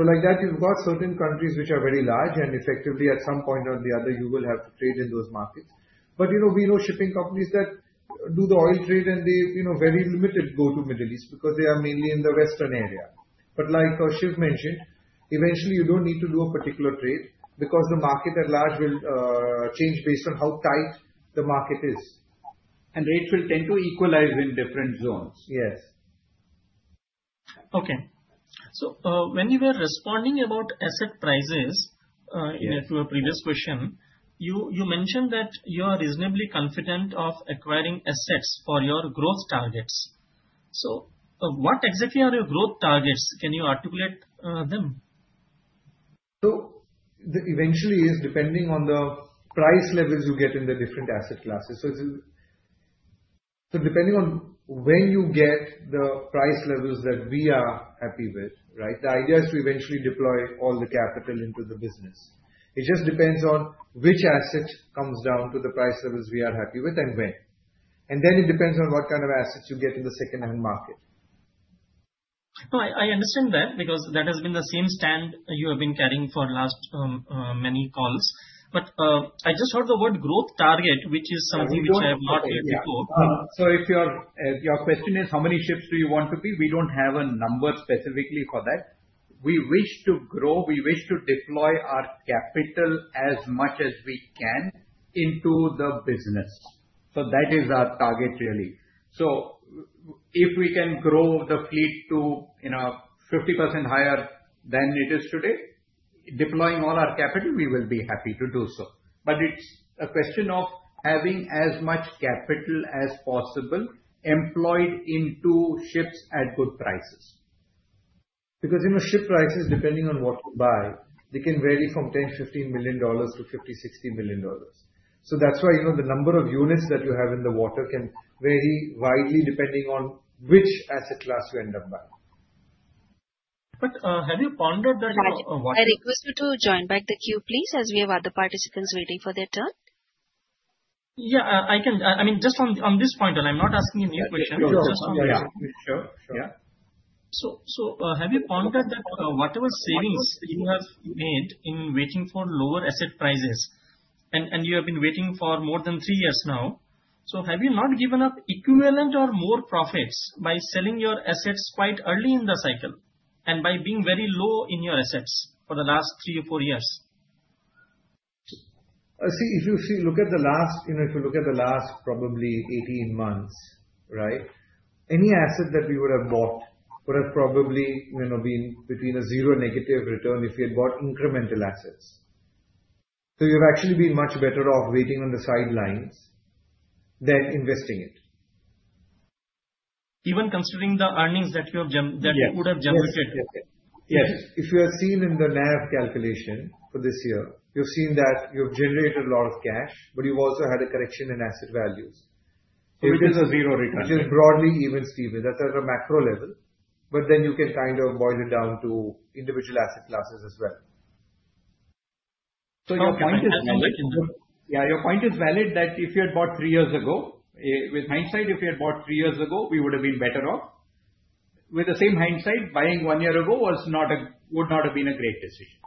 Like that, you've got certain countries which are very large, and effectively, at some point or the other, you will have to trade in those markets. We know shipping companies that do the oil trade, and they're very limited to go to the Middle East because they are mainly in the Western area. Like Shiv mentioned, eventually, you don't need to do a particular trade because the market at large will change based on how tight the market is. Rates will tend to equalize in different zones. Yes. When you were responding about asset prices to a previous question, you mentioned that you are reasonably confident of acquiring assets for your growth targets. What exactly are your growth targets? Can you articulate them? Eventually, it is depending on the price levels you get in the different asset classes. Depending on when you get the price levels that we are happy with, the idea is to eventually deploy all the capital into the business. It just depends on which asset comes down to the price levels we are happy with and when. Then it depends on what kind of assets you get in the second-hand market. I understand that because that has been the same stand you have been carrying for the last many calls. I just heard the word growth target, which is something which I have not heard before. If your question is, how many ships do you want to build? We do not have a number specifically for that. We wish to grow. We wish to deploy our capital as much as we can into the business. That is our target, really. If we can grow the fleet to 50% higher than it is today, deploying all our capital, we will be happy to do so. But it's a question of having as much capital as possible employed into ships at good prices. Because ship prices, depending on what you buy, they can vary from $10 million, $15 million to $50 million, $60 million. That's why the number of units that you have in the water can vary widely depending on which asset class you end up buying. Have you pondered that? Raj, I request you to join back the queue, please, as we have other participants waiting for their turn. Yeah. I mean, just on this point, and I'm not asking a new question. Just on this. Sure. Sure. Yeah. Have you pondered that whatever savings you have made in waiting for lower asset prices, and you have been waiting for more than three years now, have you not given up equivalent or more profits by selling your assets quite early in the cycle and by being very low in your assets for the last three or four years? If you look at the last, probably, 18 months, any asset that we would have bought would have probably been between a zero to negative return if we had bought incremental assets. You have actually been much better off waiting on the sidelines than investing it, Even considering the earnings that you would have generated. Yes. If you have seen in the NAV calculation for this year, you've seen that you've generated a lot of cash, but you've also had a correction in asset values. So it is a zero return. Which is broadly even steep. That's at a macro level. You can kind of boil it down to individual asset classes as well. Your point is valid. Yeah. Your point is valid that if you had bought three years ago, with hindsight, if we had bought three years ago, we would have been better off. With the same hindsight, buying one year ago would not have been a great decision.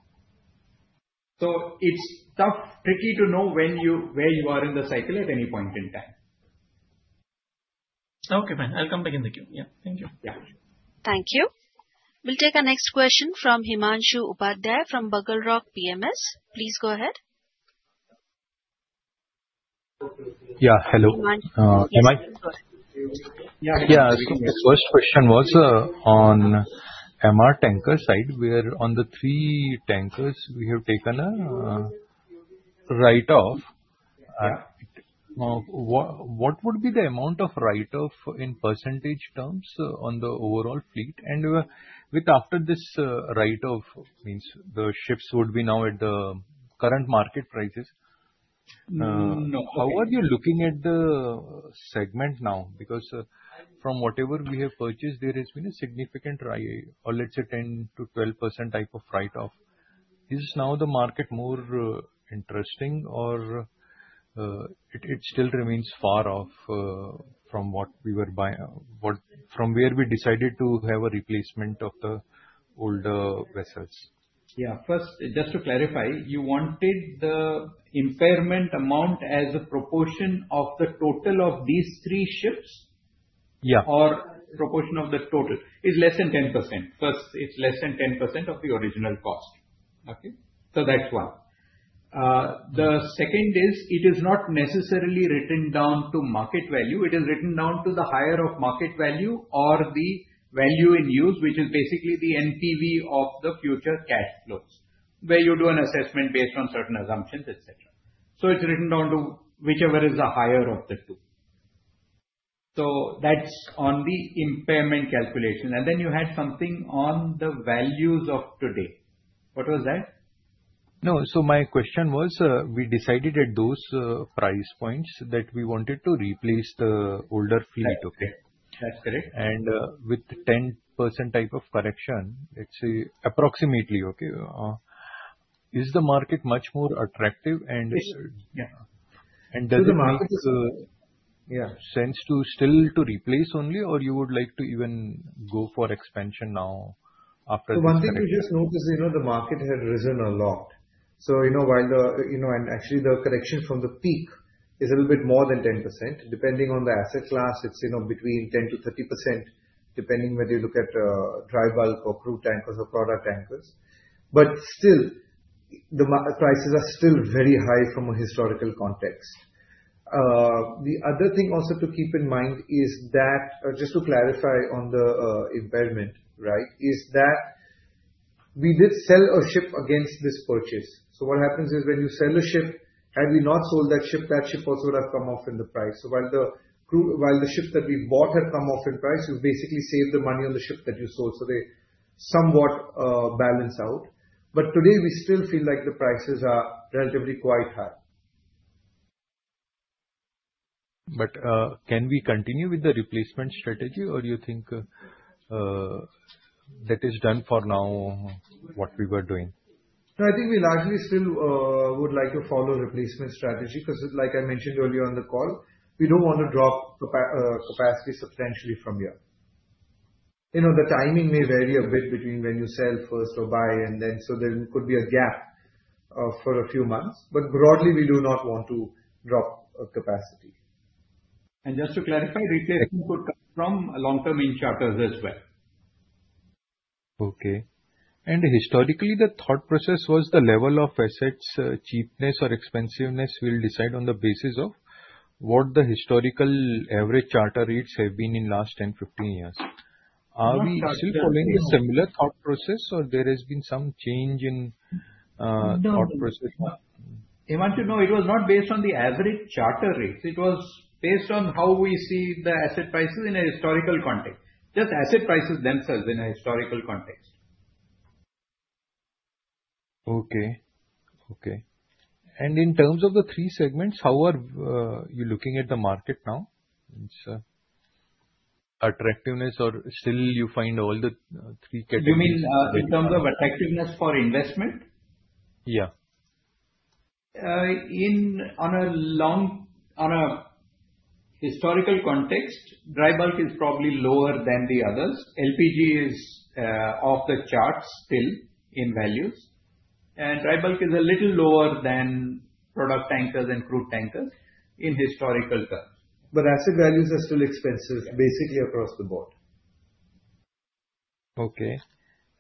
It's tough, tricky to know where you are in the cycle at any point in time. Okay, fine. I'll come back in the queue. Yeah. Thank you. Yeah. Thank you. We'll take a next question from Himanshu Upadhyay from Bugal Rock PMS. Please go ahead. Yeah. Hello. Am I? Yeah. The first question was on MR tanker side. We are on the three tankers we have taken a write-off. What would be the amount of write-off in percentage terms on the overall fleet? And after this write-off, means the ships would be now at the current market prices. How are you looking at the segment now? Because from whatever we have purchased, there has been a significant rise or let's say 10-12% type of write-off. Is now the market more interesting, or it still remains far off from where we decided to have a replacement of the older vessels? Yeah. First, just to clarify, you wanted the impairment amount as a proportion of the total of these three ships? Yeah. Or proportion of the total? It's less than 10%. First, it's less than 10% of the original cost. Okay. That's one. The second is it is not necessarily written down to market value. It is written down to the higher of market value or the value in use, which is basically the NPV of the future cash flows, where you do an assessment based on certain assumptions, etc. It's written down to whichever is the higher of the two. That's on the impairment calculation. You had something on the values of today. What was that? No. My question was, we decided at those price points that we wanted to replace the older fleet. Okay. That's correct. With 10% type of correction, let's say approximately, okay, is the market much more attractive? Does it make sense to still replace only, or you would like to even go for expansion now after this? One thing you just noticed, the market has risen a lot. Actually, the correction from the peak is a little bit more than 10%. Depending on the asset class, it's between 10%-30%, depending whether you look at dry bulk or crude tankers or product tankers. Still, the prices are very high from a historical context. The other thing also to keep in mind is that, just to clarify on the impairment, right, we did sell a ship against this purchase. What happens is when you sell a ship, had we not sold that ship, that ship also would have come off in the price. While the ship that we bought had come off in price, you basically saved the money on the ship that you sold. They somewhat balance out. Today, we still feel like the prices are relatively quite high. Can we continue with the replacement strategy, or you think that is done for now what we were doing? No, I think we largely still would like to follow a replacement strategy because, like I mentioned earlier on the call, we do not want to drop capacity substantially from here. The timing may vary a bit between when you sell first or buy, so there could be a gap for a few months. Broadly, we do not want to drop capacity. Just to clarify, replacement could come from long-term in charters as well. . Okay. Historically, the thought process was the level of assets' cheapness or expensiveness will decide on the basis of what the historical average charter rates have been in the last 10, 15 years. Are we still following a similar thought process, or has there been some change in thought process? No, Himanshu, no. It was not based on the average charter rates. It was based on how we see the asset prices in a historical context. Just asset prices themselves in a historical context. Okay. Okay. In terms of the three segments, how are you looking at the market now? Its attractiveness or still you find all the three categories? You mean in terms of attractiveness for investment? Yeah. On a historical context, dry bulk is probably lower than the others. LPG is off the charts still in values. Dry bulk is a little lower than product tankers and crude tankers in historical terms. Asset values are still expensive, basically across the board. Okay.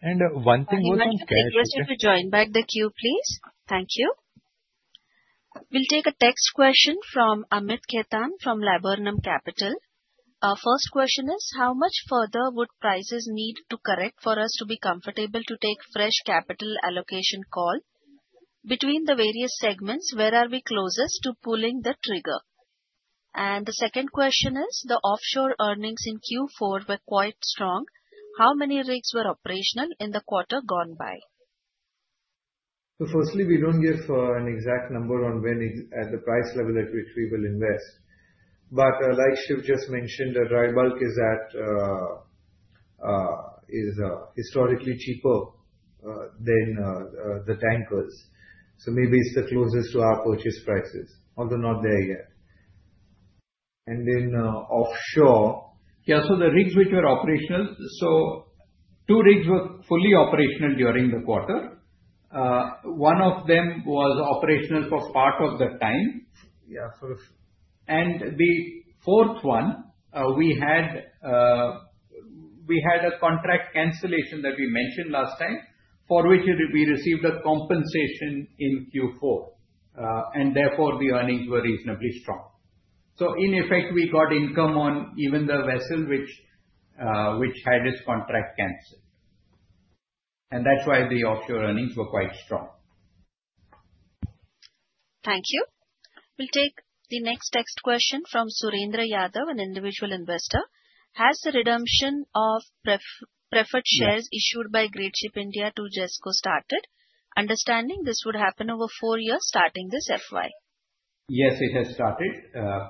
One thing was. Himanshu, I'd like to request you to join back the queue, please. Thank you. We'll take a text question from Amit Ketan from Laburnum Capital. First question is, how much further would prices need to correct for us to be comfortable to take fresh capital allocation call? Between the various segments, where are we closest to pulling the trigger? The second question is, the offshore earnings in Q4 were quite strong. How many rigs were operational in the quarter gone by? Firstly, we don't give an exact number on when at the price level at which we will invest. Like Shiv just mentioned, dry bulk is historically cheaper than the tankers. Maybe it's the closest to our purchase prices, although not there yet. And then offshore. Yeah. The rigs which were operational, two rigs were fully operational during the quarter. One of them was operational for part of the time. Yeah. Sort of. The fourth one, we had a contract cancellation that we mentioned last time, for which we received a compensation in Q4. Therefore, the earnings were reasonably strong. In effect, we got income on even the vessel which had its contract canceled. That's why the offshore earnings were quite strong. Thank you. We'll take the next text question from Surendra Yadav, an individual investor. Has the redemption of preferred shares issued by Great Ship India to JESCO started? Understanding this would happen over four years starting this FY. Yes, it has started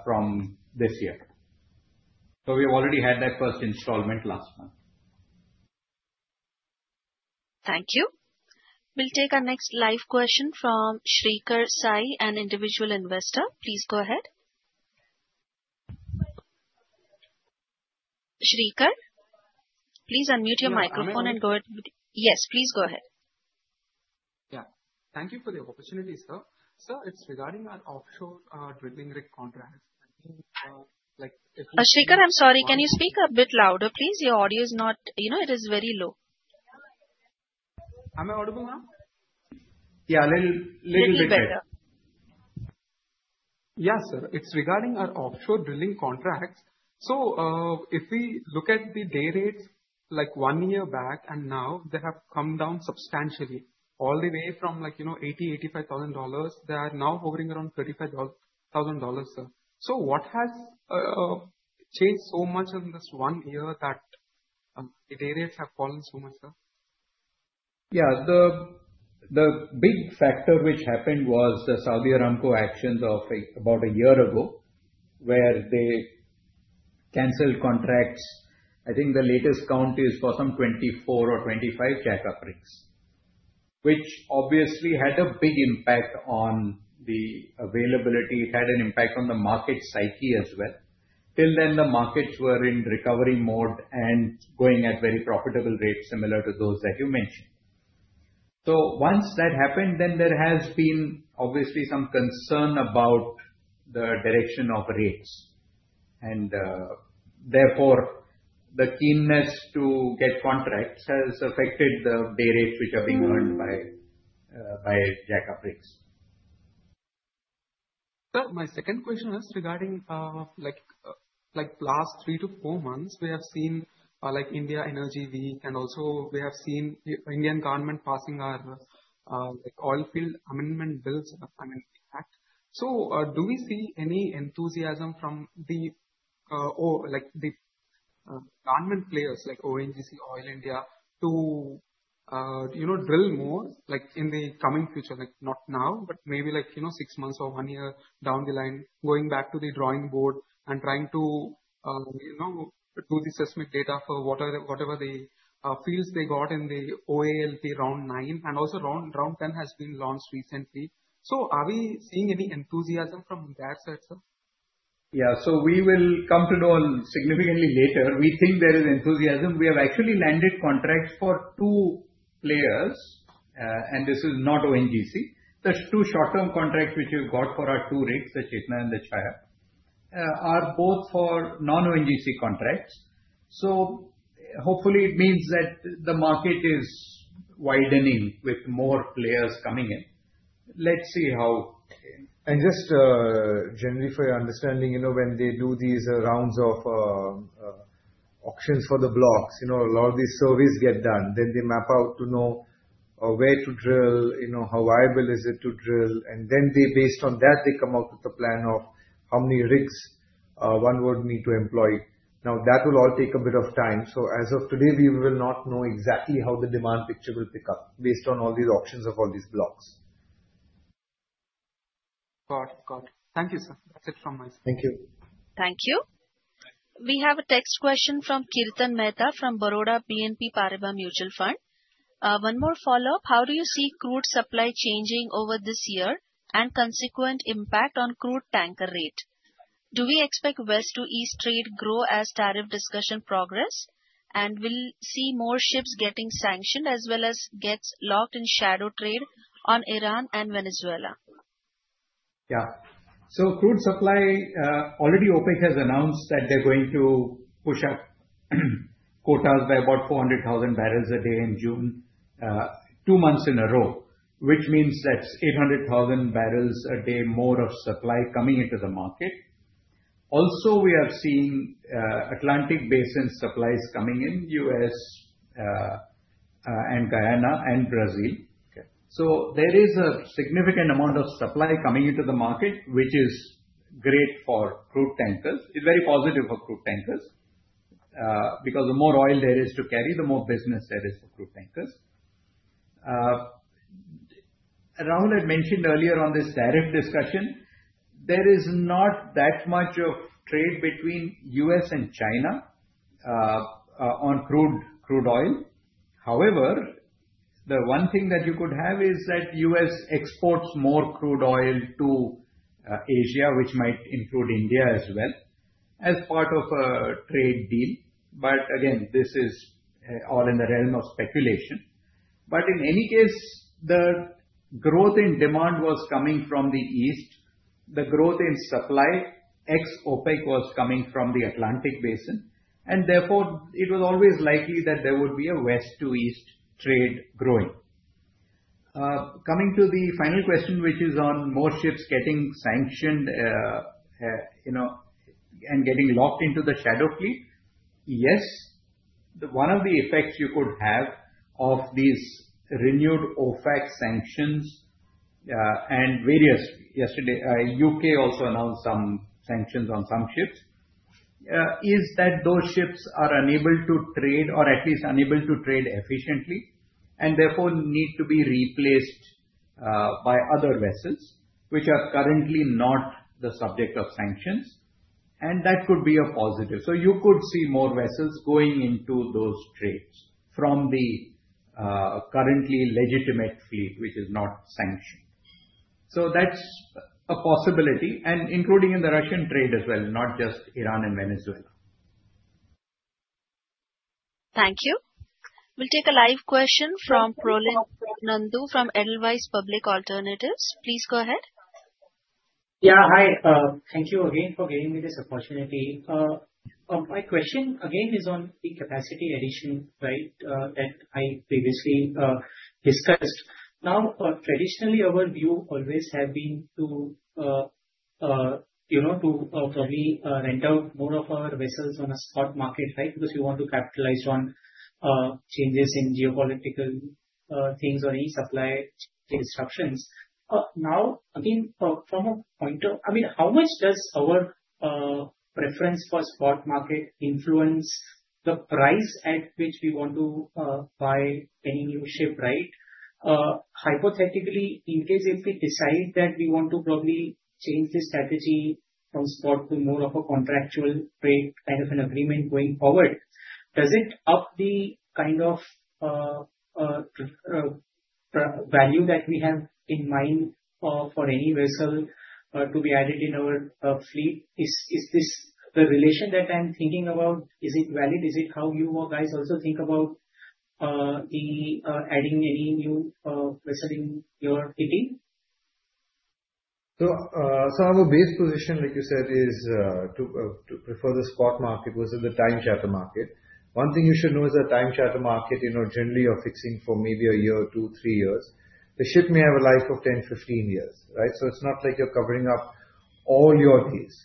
from this year. So we have already had that first installment last month. Thank you. We'll take our next live question from Shreekar Sai, an individual investor. Please go ahead. Shreekar, please unmute your microphone and go ahead. Yes, please go ahead. Yeah. Thank you for the opportunity, sir. Sir, it's regarding our offshore drilling rig contracts. Shreekar, I'm sorry. Can you speak a bit louder, please? Your audio is not, it is very low. Am I audible now? Yeah. A little bit better. Yeah, sir. It's regarding our offshore drilling contracts. If we look at the day rates like one year back and now, they have come down substantially. All the way from $80,000-$85,000, they are now hovering around $35,000, sir. What has changed so much in this one year that the day rates have fallen so much, sir? Yeah. The big factor which happened was the Saudi Aramco actions of about a year ago where they canceled contracts. I think the latest count is for some 24 or 25 jackup rigs, which obviously had a big impact on the availability. It had an impact on the market psyche as well. Till then, the markets were in recovery mode and going at very profitable rates, similar to those that you mentioned. Once that happened, there has been obviously some concern about the direction of rates. Therefore, the keenness to get contracts has affected the day rates which are being earned by jackup rigs. Sir, my second question is regarding last three to four months, we have seen India Energy Week, and also we have seen Indian government passing our oil field amendment bills, I mean, the act. Do we see any enthusiasm from the government players like ONGC, Oil India to drill more in the coming future, not now, but maybe six months or one year down the line, going back to the drawing board and trying to do the seismic data for whatever the fields they got in the OALP round nine? Also, round ten has been launched recently. Are we seeing any enthusiasm from that side, sir? Yeah. We will come to know significantly later. We think there is enthusiasm. We have actually landed contracts for two players, and this is not ONGC. The two short-term contracts which we have got for our two rigs, the Chetna and the Chaya, are both for non-ONGC contracts. Hopefully, it means that the market is widening with more players coming in. Let's see how. Just generally for your understanding, when they do these rounds of auctions for the blocks, a lot of these surveys get done. They map out to know where to drill, how viable is it to drill. Based on that, they come out with the plan of how many rigs one would need to employ. That will all take a bit of time. As of today, we will not know exactly how the demand picture will pick up based on all these auctions of all these blocks. Got it. Got it. Thank you, sir. That is it from my side. Thank you. Thank you. We have a text question from Kirtan Mehta from Baroda BNP Paribas Mutual Fund. One more follow-up. How do you see crude supply changing over this year and consequent impact on crude tanker rate? Do we expect West to East trade grow as tariff discussion progress? Will we see more ships getting sanctioned as well as get locked in shadow trade on Iran and Venezuela? Yeah. Crude supply already OPEC has announced that they're going to push up quotas by about 400,000 barrels a day in June, two months in a row, which means that's 800,000 barrels a day more of supply coming into the market. Also, we are seeing Atlantic Basin supplies coming in, U.S. and Guyana and Brazil. There is a significant amount of supply coming into the market, which is great for crude tankers. It's very positive for crude tankers because the more oil there is to carry, the more business there is for crude tankers. Rahul had mentioned earlier on this tariff discussion, there is not that much of trade between U.S.. and China on crude oil. However, the one thing that you could have is that U.S. exports more crude oil to Asia, which might include India as well, as part of a trade deal. Again, this is all in the realm of speculation. In any case, the growth in demand was coming from the East. The growth in supply ex OPEC was coming from the Atlantic Basin. Therefore, it was always likely that there would be a West to East trade growing. Coming to the final question, which is on more ships getting sanctioned and getting locked into the shadow fleet, yes. One of the effects you could have of these renewed OFAC sanctions and various U.K. also announced some sanctions on some ships is that those ships are unable to trade or at least unable to trade efficiently and therefore need to be replaced by other vessels, which are currently not the subject of sanctions. That could be a positive. You could see more vessels going into those trades from the currently legitimate fleet, which is not sanctioned. That is a possibility, and including in the Russian trade as well, not just Iran and Venezuela. Thank you. We'll take a live question from Proline Nandu from Edelweiss Public Alternatives. Please go ahead. Yeah. Hi. Thank you again for giving me this opportunity. My question again is on the capacity addition, right, that I previously discussed. Now, traditionally, our view always has been to probably rent out more of our vessels on a spot market, right, because we want to capitalize on changes in geopolitical things or any supply disruptions. Now, again, from a point of, I mean, how much does our preference for spot market influence the price at which we want to buy any new ship, right? Hypothetically, in case if we decide that we want to probably change the strategy from spot to more of a contractual rate, kind of an agreement going forward, does it up the kind of value that we have in mind for any vessel to be added in our fleet? Is this the relation that I'm thinking about? Is it valid? Is it how you guys also think about adding any new vessel in your fleeting? Our base position, like you said, is to prefer the spot market versus the time charter market. One thing you should know is that time charter market, generally, you're fixing for maybe a year, two, three years. The ship may have a life of 10, 15 years, right? It's not like you're covering up all your days.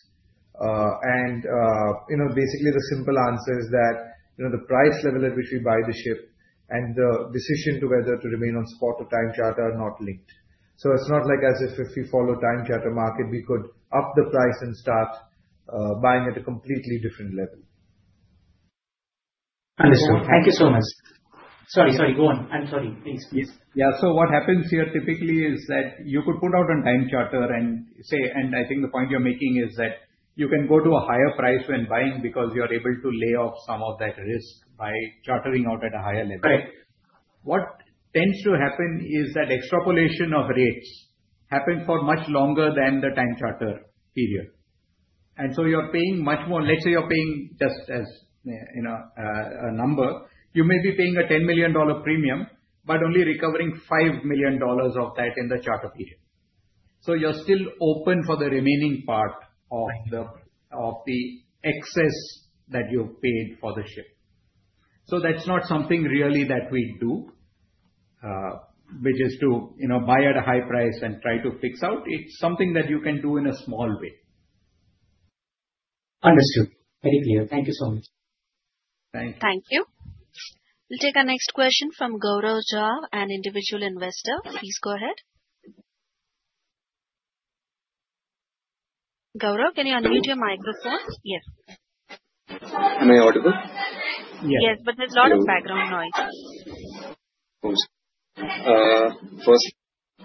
Basically, the simple answer is that the price level at which we buy the ship and the decision to whether to remain on spot or time charter are not linked. It's not like as if if we follow time charter market, we could up the price and start buying at a completely different level. Understood. Thank you so much. Sorry, go on. I'm sorry. Please, please. Yeah. What happens here typically is that you could put out on time charter and say, and I think the point you're making is that you can go to a higher price when buying because you're able to lay off some of that risk by chartering out at a higher level. What tends to happen is that extrapolation of rates happens for much longer than the time charter period. You may be paying, just as a number, you may be paying a $10 million premium, but only recovering $5 million of that in the charter period. You're still open for the remaining part of the excess that you paid for the ship. That's not something really that we do, which is to buy at a high price and try to fix out. It's something that you can do in a small way. Understood. Very clear. Thank you so much. Thank you. Thank you. We'll take our next question from Gaurav Jhaa, an individual investor. Please go ahead. Gaurav, can you unmute your microphone? Yes. Am I audible? Yes. Yes, but there's a lot of background noise. First,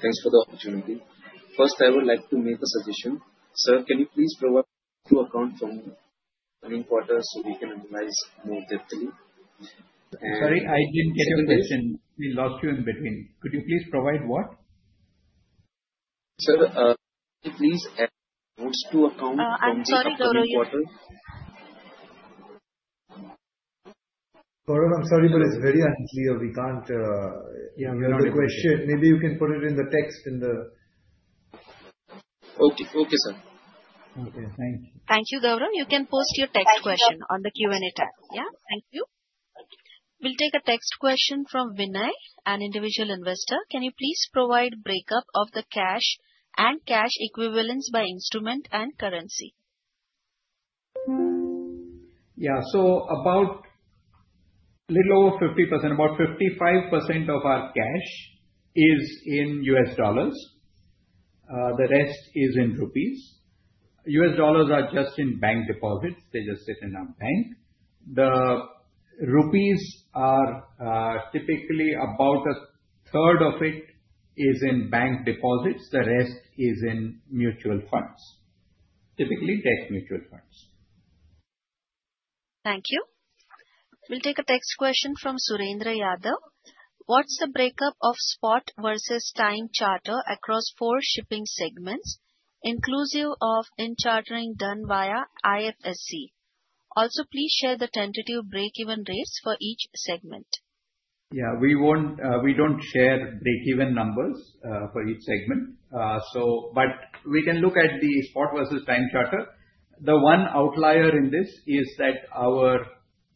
thanks for the opportunity. First, I would like to make a suggestion. Sir, can you please provide a true account from earning quarters so we can analyze more thoroughly? Sorry, I didn't get your question. We lost you in between. Could you please provide what? Sir, can you please add notes to account from the earning quarter? Gaurav, I'm sorry, but it's very unclear. We can't hear the question. Maybe you can put it in the text in the. Okay. Okay, sir. Okay. Thank you. Thank you, Gaurav. You can post your text question on the Q&A tab. Yeah. Thank you. We'll take a text question from Vinay, an individual investor. Can you please provide breakup of the cash and cash equivalents by instrument and currency? Yeah. So about a little over 50%, about 55% of our cash is in U.S. dollars. The rest is in rupees. U.S. dollars are just in bank deposits. They just sit in our bank. The rupees are typically about a third of it is in bank deposits. The rest is in mutual funds, typically debt mutual funds. Thank you. We'll take a text question from Surendra Yadav. What's the breakup of spot versus time charter across four shipping segments, inclusive of in-chartering done via IFSC? Also, please share the tentative break-even rates for each segment. Yeah. We don't share break-even numbers for each segment. But we can look at the spot versus time charter. The one outlier in this is that our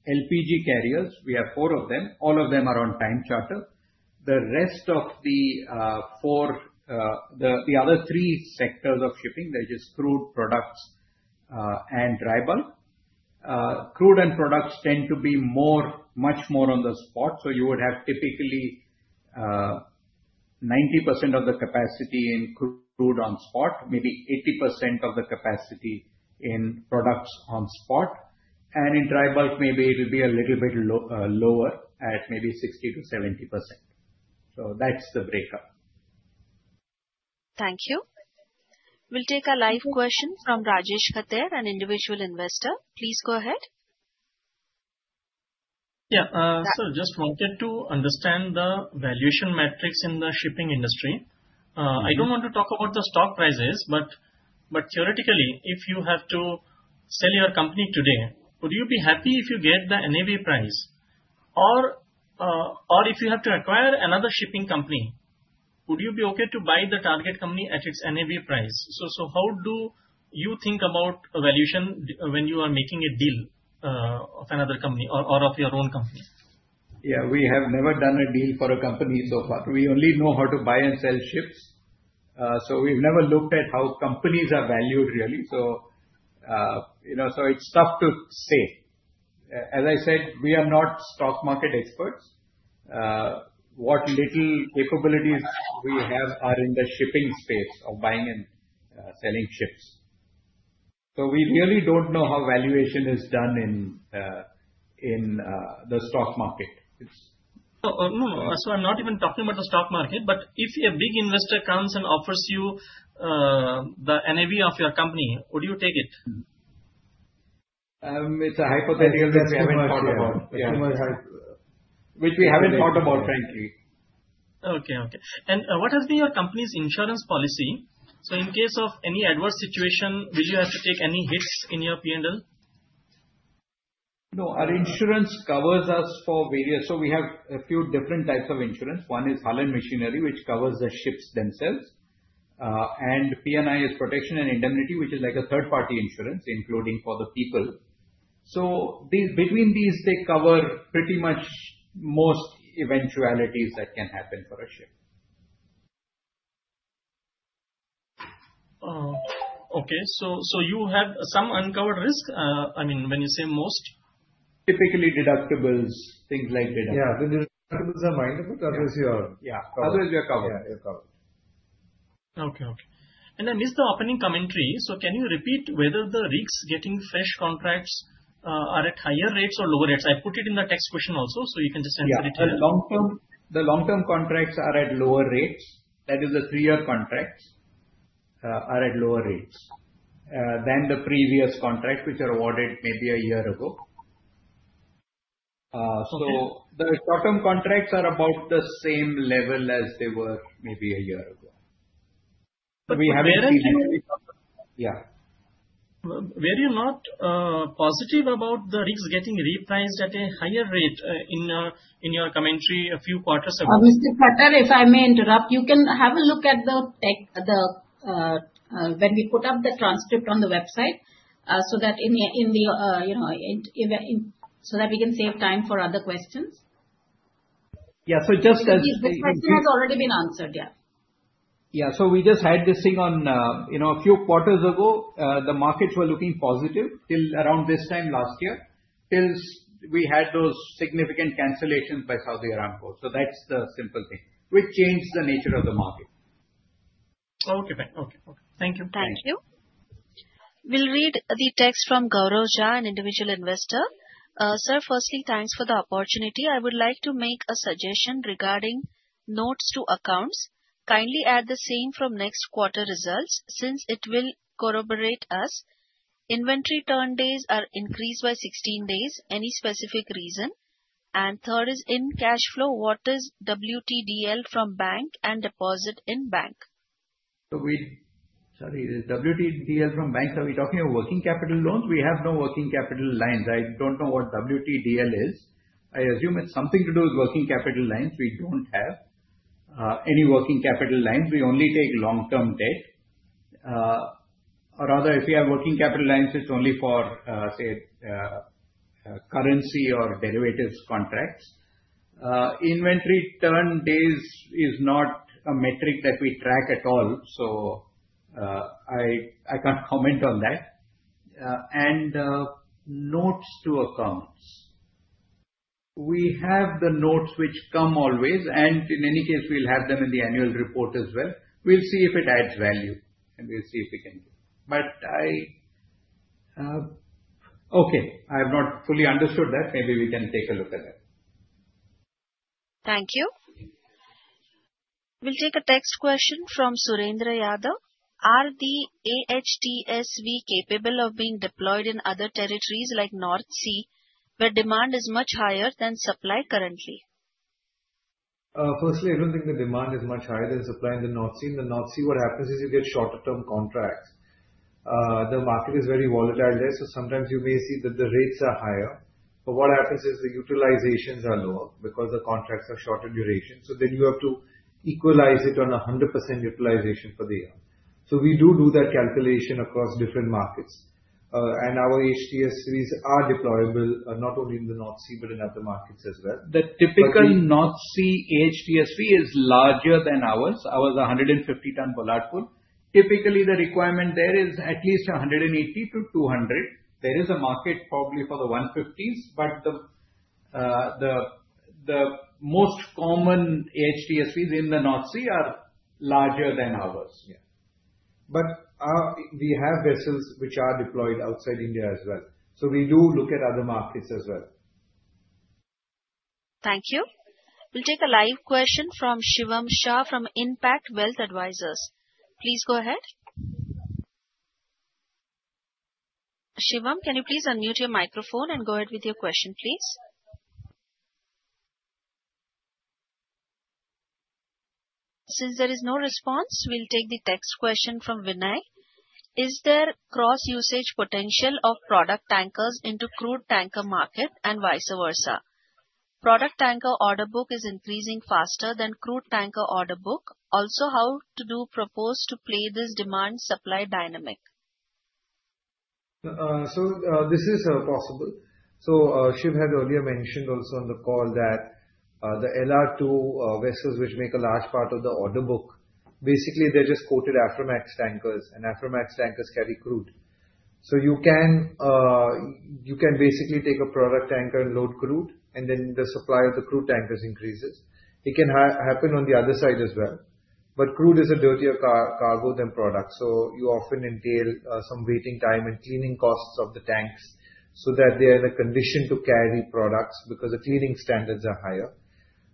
LPG carriers, we have four of them. All of them are on time charter. The rest of the four, the other three sectors of shipping, they're just crude, products, and dry bulk. Crude and products tend to be much more on the spot. You would have typically 90% of the capacity in crude on spot, maybe 80% of the capacity in products on spot. In dry bulk, maybe it will be a little bit lower at maybe 60-70%. That's the breakup. Thank you. We'll take a live question from Rajesh Kattar, an individual investor. Please go ahead. Yeah. Sir, just wanted to understand the valuation metrics in the shipping industry. I don't want to talk about the stock prices, but theoretically, if you have to sell your company today, would you be happy if you get the NAV price? Or if you have to acquire another shipping company, would you be okay to buy the target company at its NAV price? How do you think about valuation when you are making a deal of another company or of your own company? Yeah. We have never done a deal for a company so far. We only know how to buy and sell ships. We have never looked at how companies are valued, really. It's tough to say. As I said, we are not stock market experts. What little capabilities we have are in the shipping space of buying and selling ships. We really don't know how valuation is done in the stock market. It's. No, sir, not even talking about the stock market. But if a big investor comes and offers you the NAV of your company, would you take it? It's a hypothetical that we haven't thought about. Which we haven't thought about, frankly. Okay. Okay. And what has been your company's insurance policy? So in case of any adverse situation, will you have to take any hits in your P&L? No. Our insurance covers us for various. So we have a few different types of insurance. One is Hull and Machinery, which covers the ships themselves. And P&I is protection and indemnity, which is like a third-party insurance, including for the people. So between these, they cover pretty much most eventualities that can happen for a ship. Okay. So you have some uncovered risk? I mean, when you say most. Typically deductibles, things like deductibles. Yeah. The deductibles are minor, but otherwise, you're covered. Okay. Okay. I missed the opening commentary. Can you repeat whether the rigs getting fresh contracts are at higher rates or lower rates? I put it in the text question also, so you can just answer it here. Yeah. The long-term contracts are at lower rates. That is, the three-year contracts are at lower rates than the previous contracts, which are awarded maybe a year ago. The short-term contracts are about the same level as they were maybe a year ago. We haven't seen anything. Yeah. Were you not positive about the rigs getting repriced at a higher rate in your commentary a few quarters ago? Mr. Khater, if I may interrupt, you can have a look at the when we put up the transcript on the website so that we can save time for other questions. Yeah. Just as the question has already been answered. Yeah. Yeah. We just had this thing on a few quarters ago. The markets were looking positive till around this time last year till we had those significant cancellations by Saudi Aramco. That is the simple thing, which changed the nature of the market. Okay. Okay. Thank you. Thank you. We will read the text from Gaurav Jhaa, an individual investor. Sir, firstly, thanks for the opportunity. I would like to make a suggestion regarding notes to accounts. Kindly add the same from next quarter results since it will corroborate us. Inventory turn days are increased by 16 days. Any specific reason? Third is in cash flow, what is WTDL from bank and deposit in bank? Sorry, is WTDL from bank? Are we talking about working capital loans? We have no working capital lines. I do not know what WTDL is. I assume it is something to do with working capital lines. We do not have any working capital lines. We only take long-term debt. Or rather, if we have working capital lines, it is only for, say, currency or derivatives contracts. Inventory turn days is not a metric that we track at all, so I cannot comment on that. Notes to accounts, we have the notes, which come always. In any case, we will have them in the annual report as well. We will see if it adds value, and we will see if we can do. I have not fully understood that. Maybe we can take a look at that. Thank you. We'll take a text question from Surendra Yadav. Are the AHTSV capable of being deployed in other territories like North Sea where demand is much higher than supply currently? Firstly, I don't think the demand is much higher than supply in the North Sea. In the North Sea, what happens is you get shorter-term contracts. The market is very volatile there, so sometimes you may see that the rates are higher. What happens is the utilizations are lower because the contracts are shorter duration. You have to equalize it on a 100% utilization for the year. We do do that calculation across different markets. Our AHTSVs are deployable not only in the North Sea but in other markets as well. The typical North Sea AHTSV is larger than ours. Ours is 150-ton Bollard Pull. Typically, the requirement there is at least 180-200. There is a market probably for the 150s, but the most common AHTSVs in the North Sea are larger than ours. Yeah. But we have vessels which are deployed outside India as well. We do look at other markets as well. Thank you. We'll take a live question from Shivam Shah from Impact Wealth Advisors. Please go ahead. Shivam, can you please unmute your microphone and go ahead with your question, please? Since there is no response, we'll take the text question from Vinay. Is there cross-usage potential of product tankers into crude tanker market and vice versa? Product tanker order book is increasing faster than crude tanker order book. Also, how do you propose to play this demand-supply dynamic? This is possible. Shiv had earlier mentioned also on the call that the LR2 vessels, which make a large part of the order book, basically, they are just quoted Aframax tankers. Aframax tankers carry crude. You can basically take a product tanker and load crude, and then the supply of the crude tankers increases. It can happen on the other side as well. Crude is a dirtier cargo than product, so you often entail some waiting time and cleaning costs of the tanks so that they are in a condition to carry products because the cleaning standards are higher.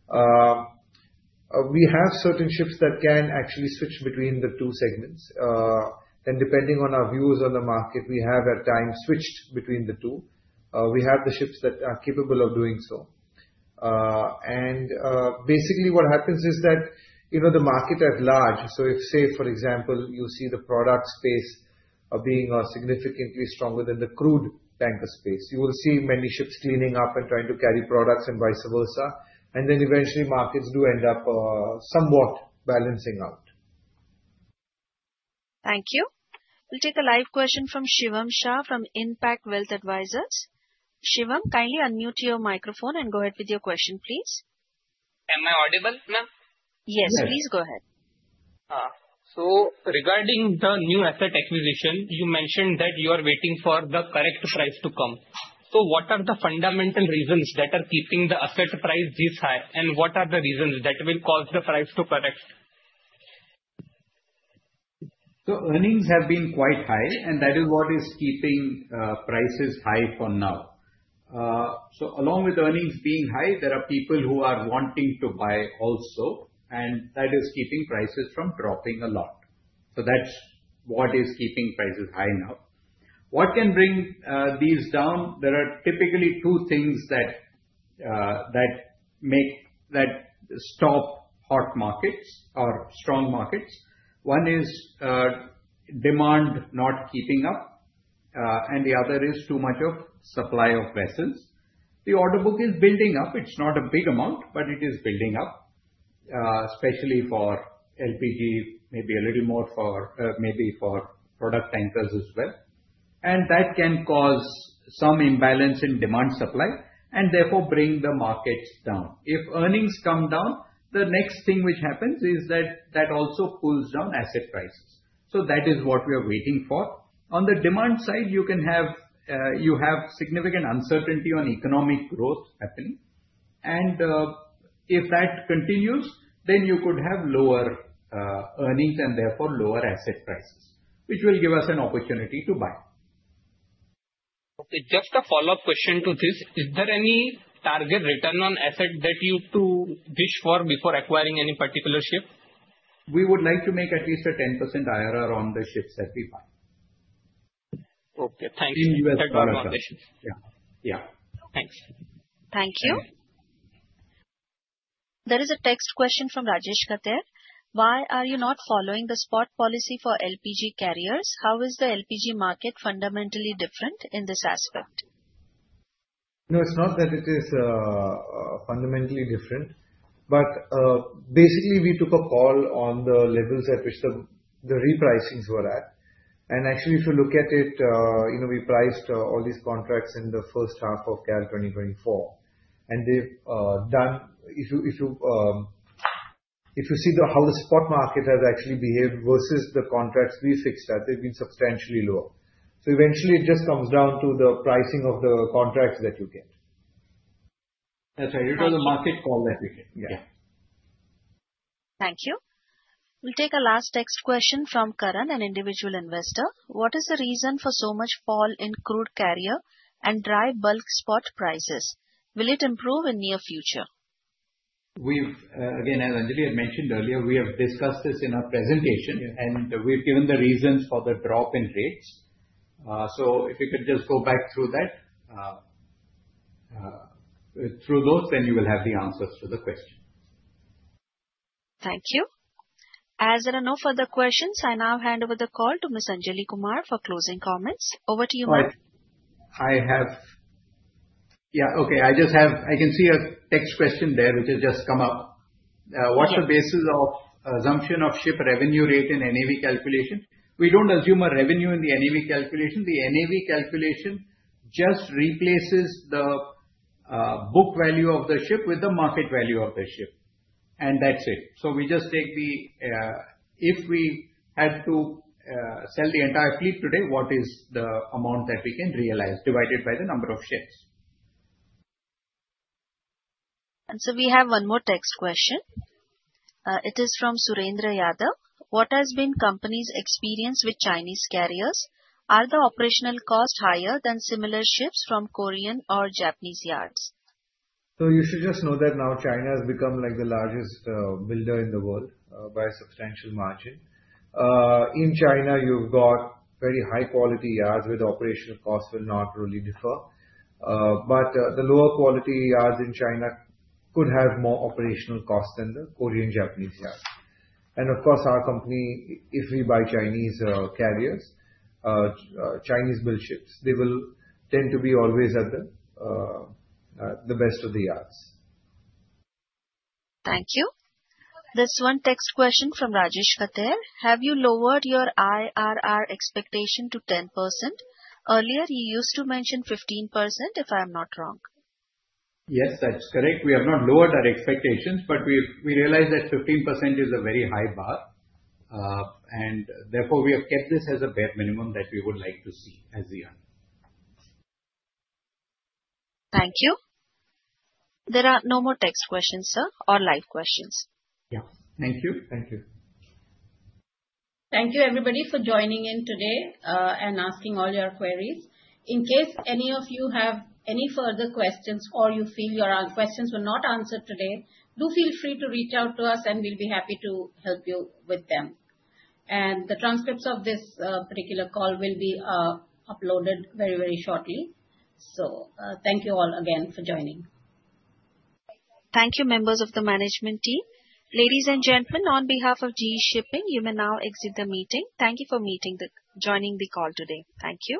We have certain ships that can actually switch between the two segments. Depending on our views on the market, we have at times switched between the two. We have the ships that are capable of doing so. Basically, what happens is that the market at large, so if, say, for example, you see the product space being significantly stronger than the crude tanker space, you will see many ships cleaning up and trying to carry products and vice versa. Eventually, markets do end up somewhat balancing out. Thank you. We'll take a live question from Shivam Shah from Impact Wealth Advisors. Shivam, kindly unmute your microphone and go ahead with your question, please. Am I audible, ma'am? Yes. Please go ahead. Regarding the new asset acquisition, you mentioned that you are waiting for the correct price to come. What are the fundamental reasons that are keeping the asset price this high? What are the reasons that will cause the price to correct? Earnings have been quite high, and that is what is keeping prices high for now. Along with earnings being high, there are people who are wanting to buy also, and that is keeping prices from dropping a lot. That is what is keeping prices high now. What can bring these down? There are typically two things that stop hot markets or strong markets. One is demand not keeping up, and the other is too much of supply of vessels. The order book is building up. It is not a big amount, but it is building up, especially for LPG, maybe a little more for maybe for product tankers as well. That can cause some imbalance in demand-supply and therefore bring the markets down. If earnings come down, the next thing which happens is that that also pulls down asset prices. That is what we are waiting for. On the demand side, you have significant uncertainty on economic growth happening. If that continues, then you could have lower earnings and therefore lower asset prices, which will give us an opportunity to buy. Okay. Just a follow-up question to this. Is there any target return on asset that you wish for before acquiring any particular ship? We would like to make at least a 10% IRR on the ships that we buy. Okay. Thanks. That was my question. Yeah. Yeah. Thanks. Thank you. There is a text question from Rajesh Kattar. Why are you not following the spot policy for LPG carriers? How is the LPG market fundamentally different in this aspect? No, it is not that it is fundamentally different. Basically, we took a call on the levels at which the repricings were at. Actually, if you look at it, we priced all these contracts in the first half of calendar 2024. If you see how the spot market has actually behaved versus the contracts we fixed at, they've been substantially lower. Eventually, it just comes down to the pricing of the contracts that you get. That's right. You took the market call that we get. Yeah. Thank you. We'll take a last text question from Karan, an individual investor. What is the reason for so much fall in crude carrier and dry bulk spot prices? Will it improve in the near future? Again, as Anjali had mentioned earlier, we have discussed this in our presentation, and we've given the reasons for the drop in rates. If you could just go back through those, then you will have the answers to the question. Thank you. As there are no further questions, I now hand over the call to Ms. Anjali Kumar for closing comments. Over to you, ma'am. Yeah. Okay. I can see a text question there which has just come up. What's the basis of assumption of ship revenue rate in NAV calculation? We don't assume a revenue in the NAV calculation. The NAV calculation just replaces the book value of the ship with the market value of the ship. That's it. We just take the if we had to sell the entire fleet today, what is the amount that we can realize divided by the number of ships? We have one more text question. It is from Surendra Yadav. What has been the company's experience with Chinese carriers? Are the operational costs higher than similar ships from Korean or Japanese yards? You should just know that now China has become the largest builder in the world by a substantial margin. In China, you've got very high-quality yards where the operational costs will not really differ. The lower-quality yards in China could have more operational costs than the Korean-Japanese yards. Of course, our company, if we buy Chinese carriers, Chinese-built ships, they will tend to be always at the best of the yards. Thank you. There's one text question from Rajesh Kattar. Have you lowered your IRR expectation to 10%? Earlier, you used to mention 15%, if I'm not wrong. Yes, that's correct. We have not lowered our expectations, but we realize that 15% is a very high bar. Therefore, we have kept this as a bare minimum that we would like to see as the year. Thank you. There are no more text questions, sir, or live questions. Yeah. Thank you. Thank you. Thank you, everybody, for joining in today and asking all your queries. In case any of you have any further questions or you feel your questions were not answered today, do feel free to reach out to us, and we will be happy to help you with them. The transcripts of this particular call will be uploaded very, very shortly. Thank you all again for joining. Thank you, members of the management team. Ladies and gentlemen, on behalf of GE Shipping, you may now exit the meeting. Thank you for joining the call today. Thank you.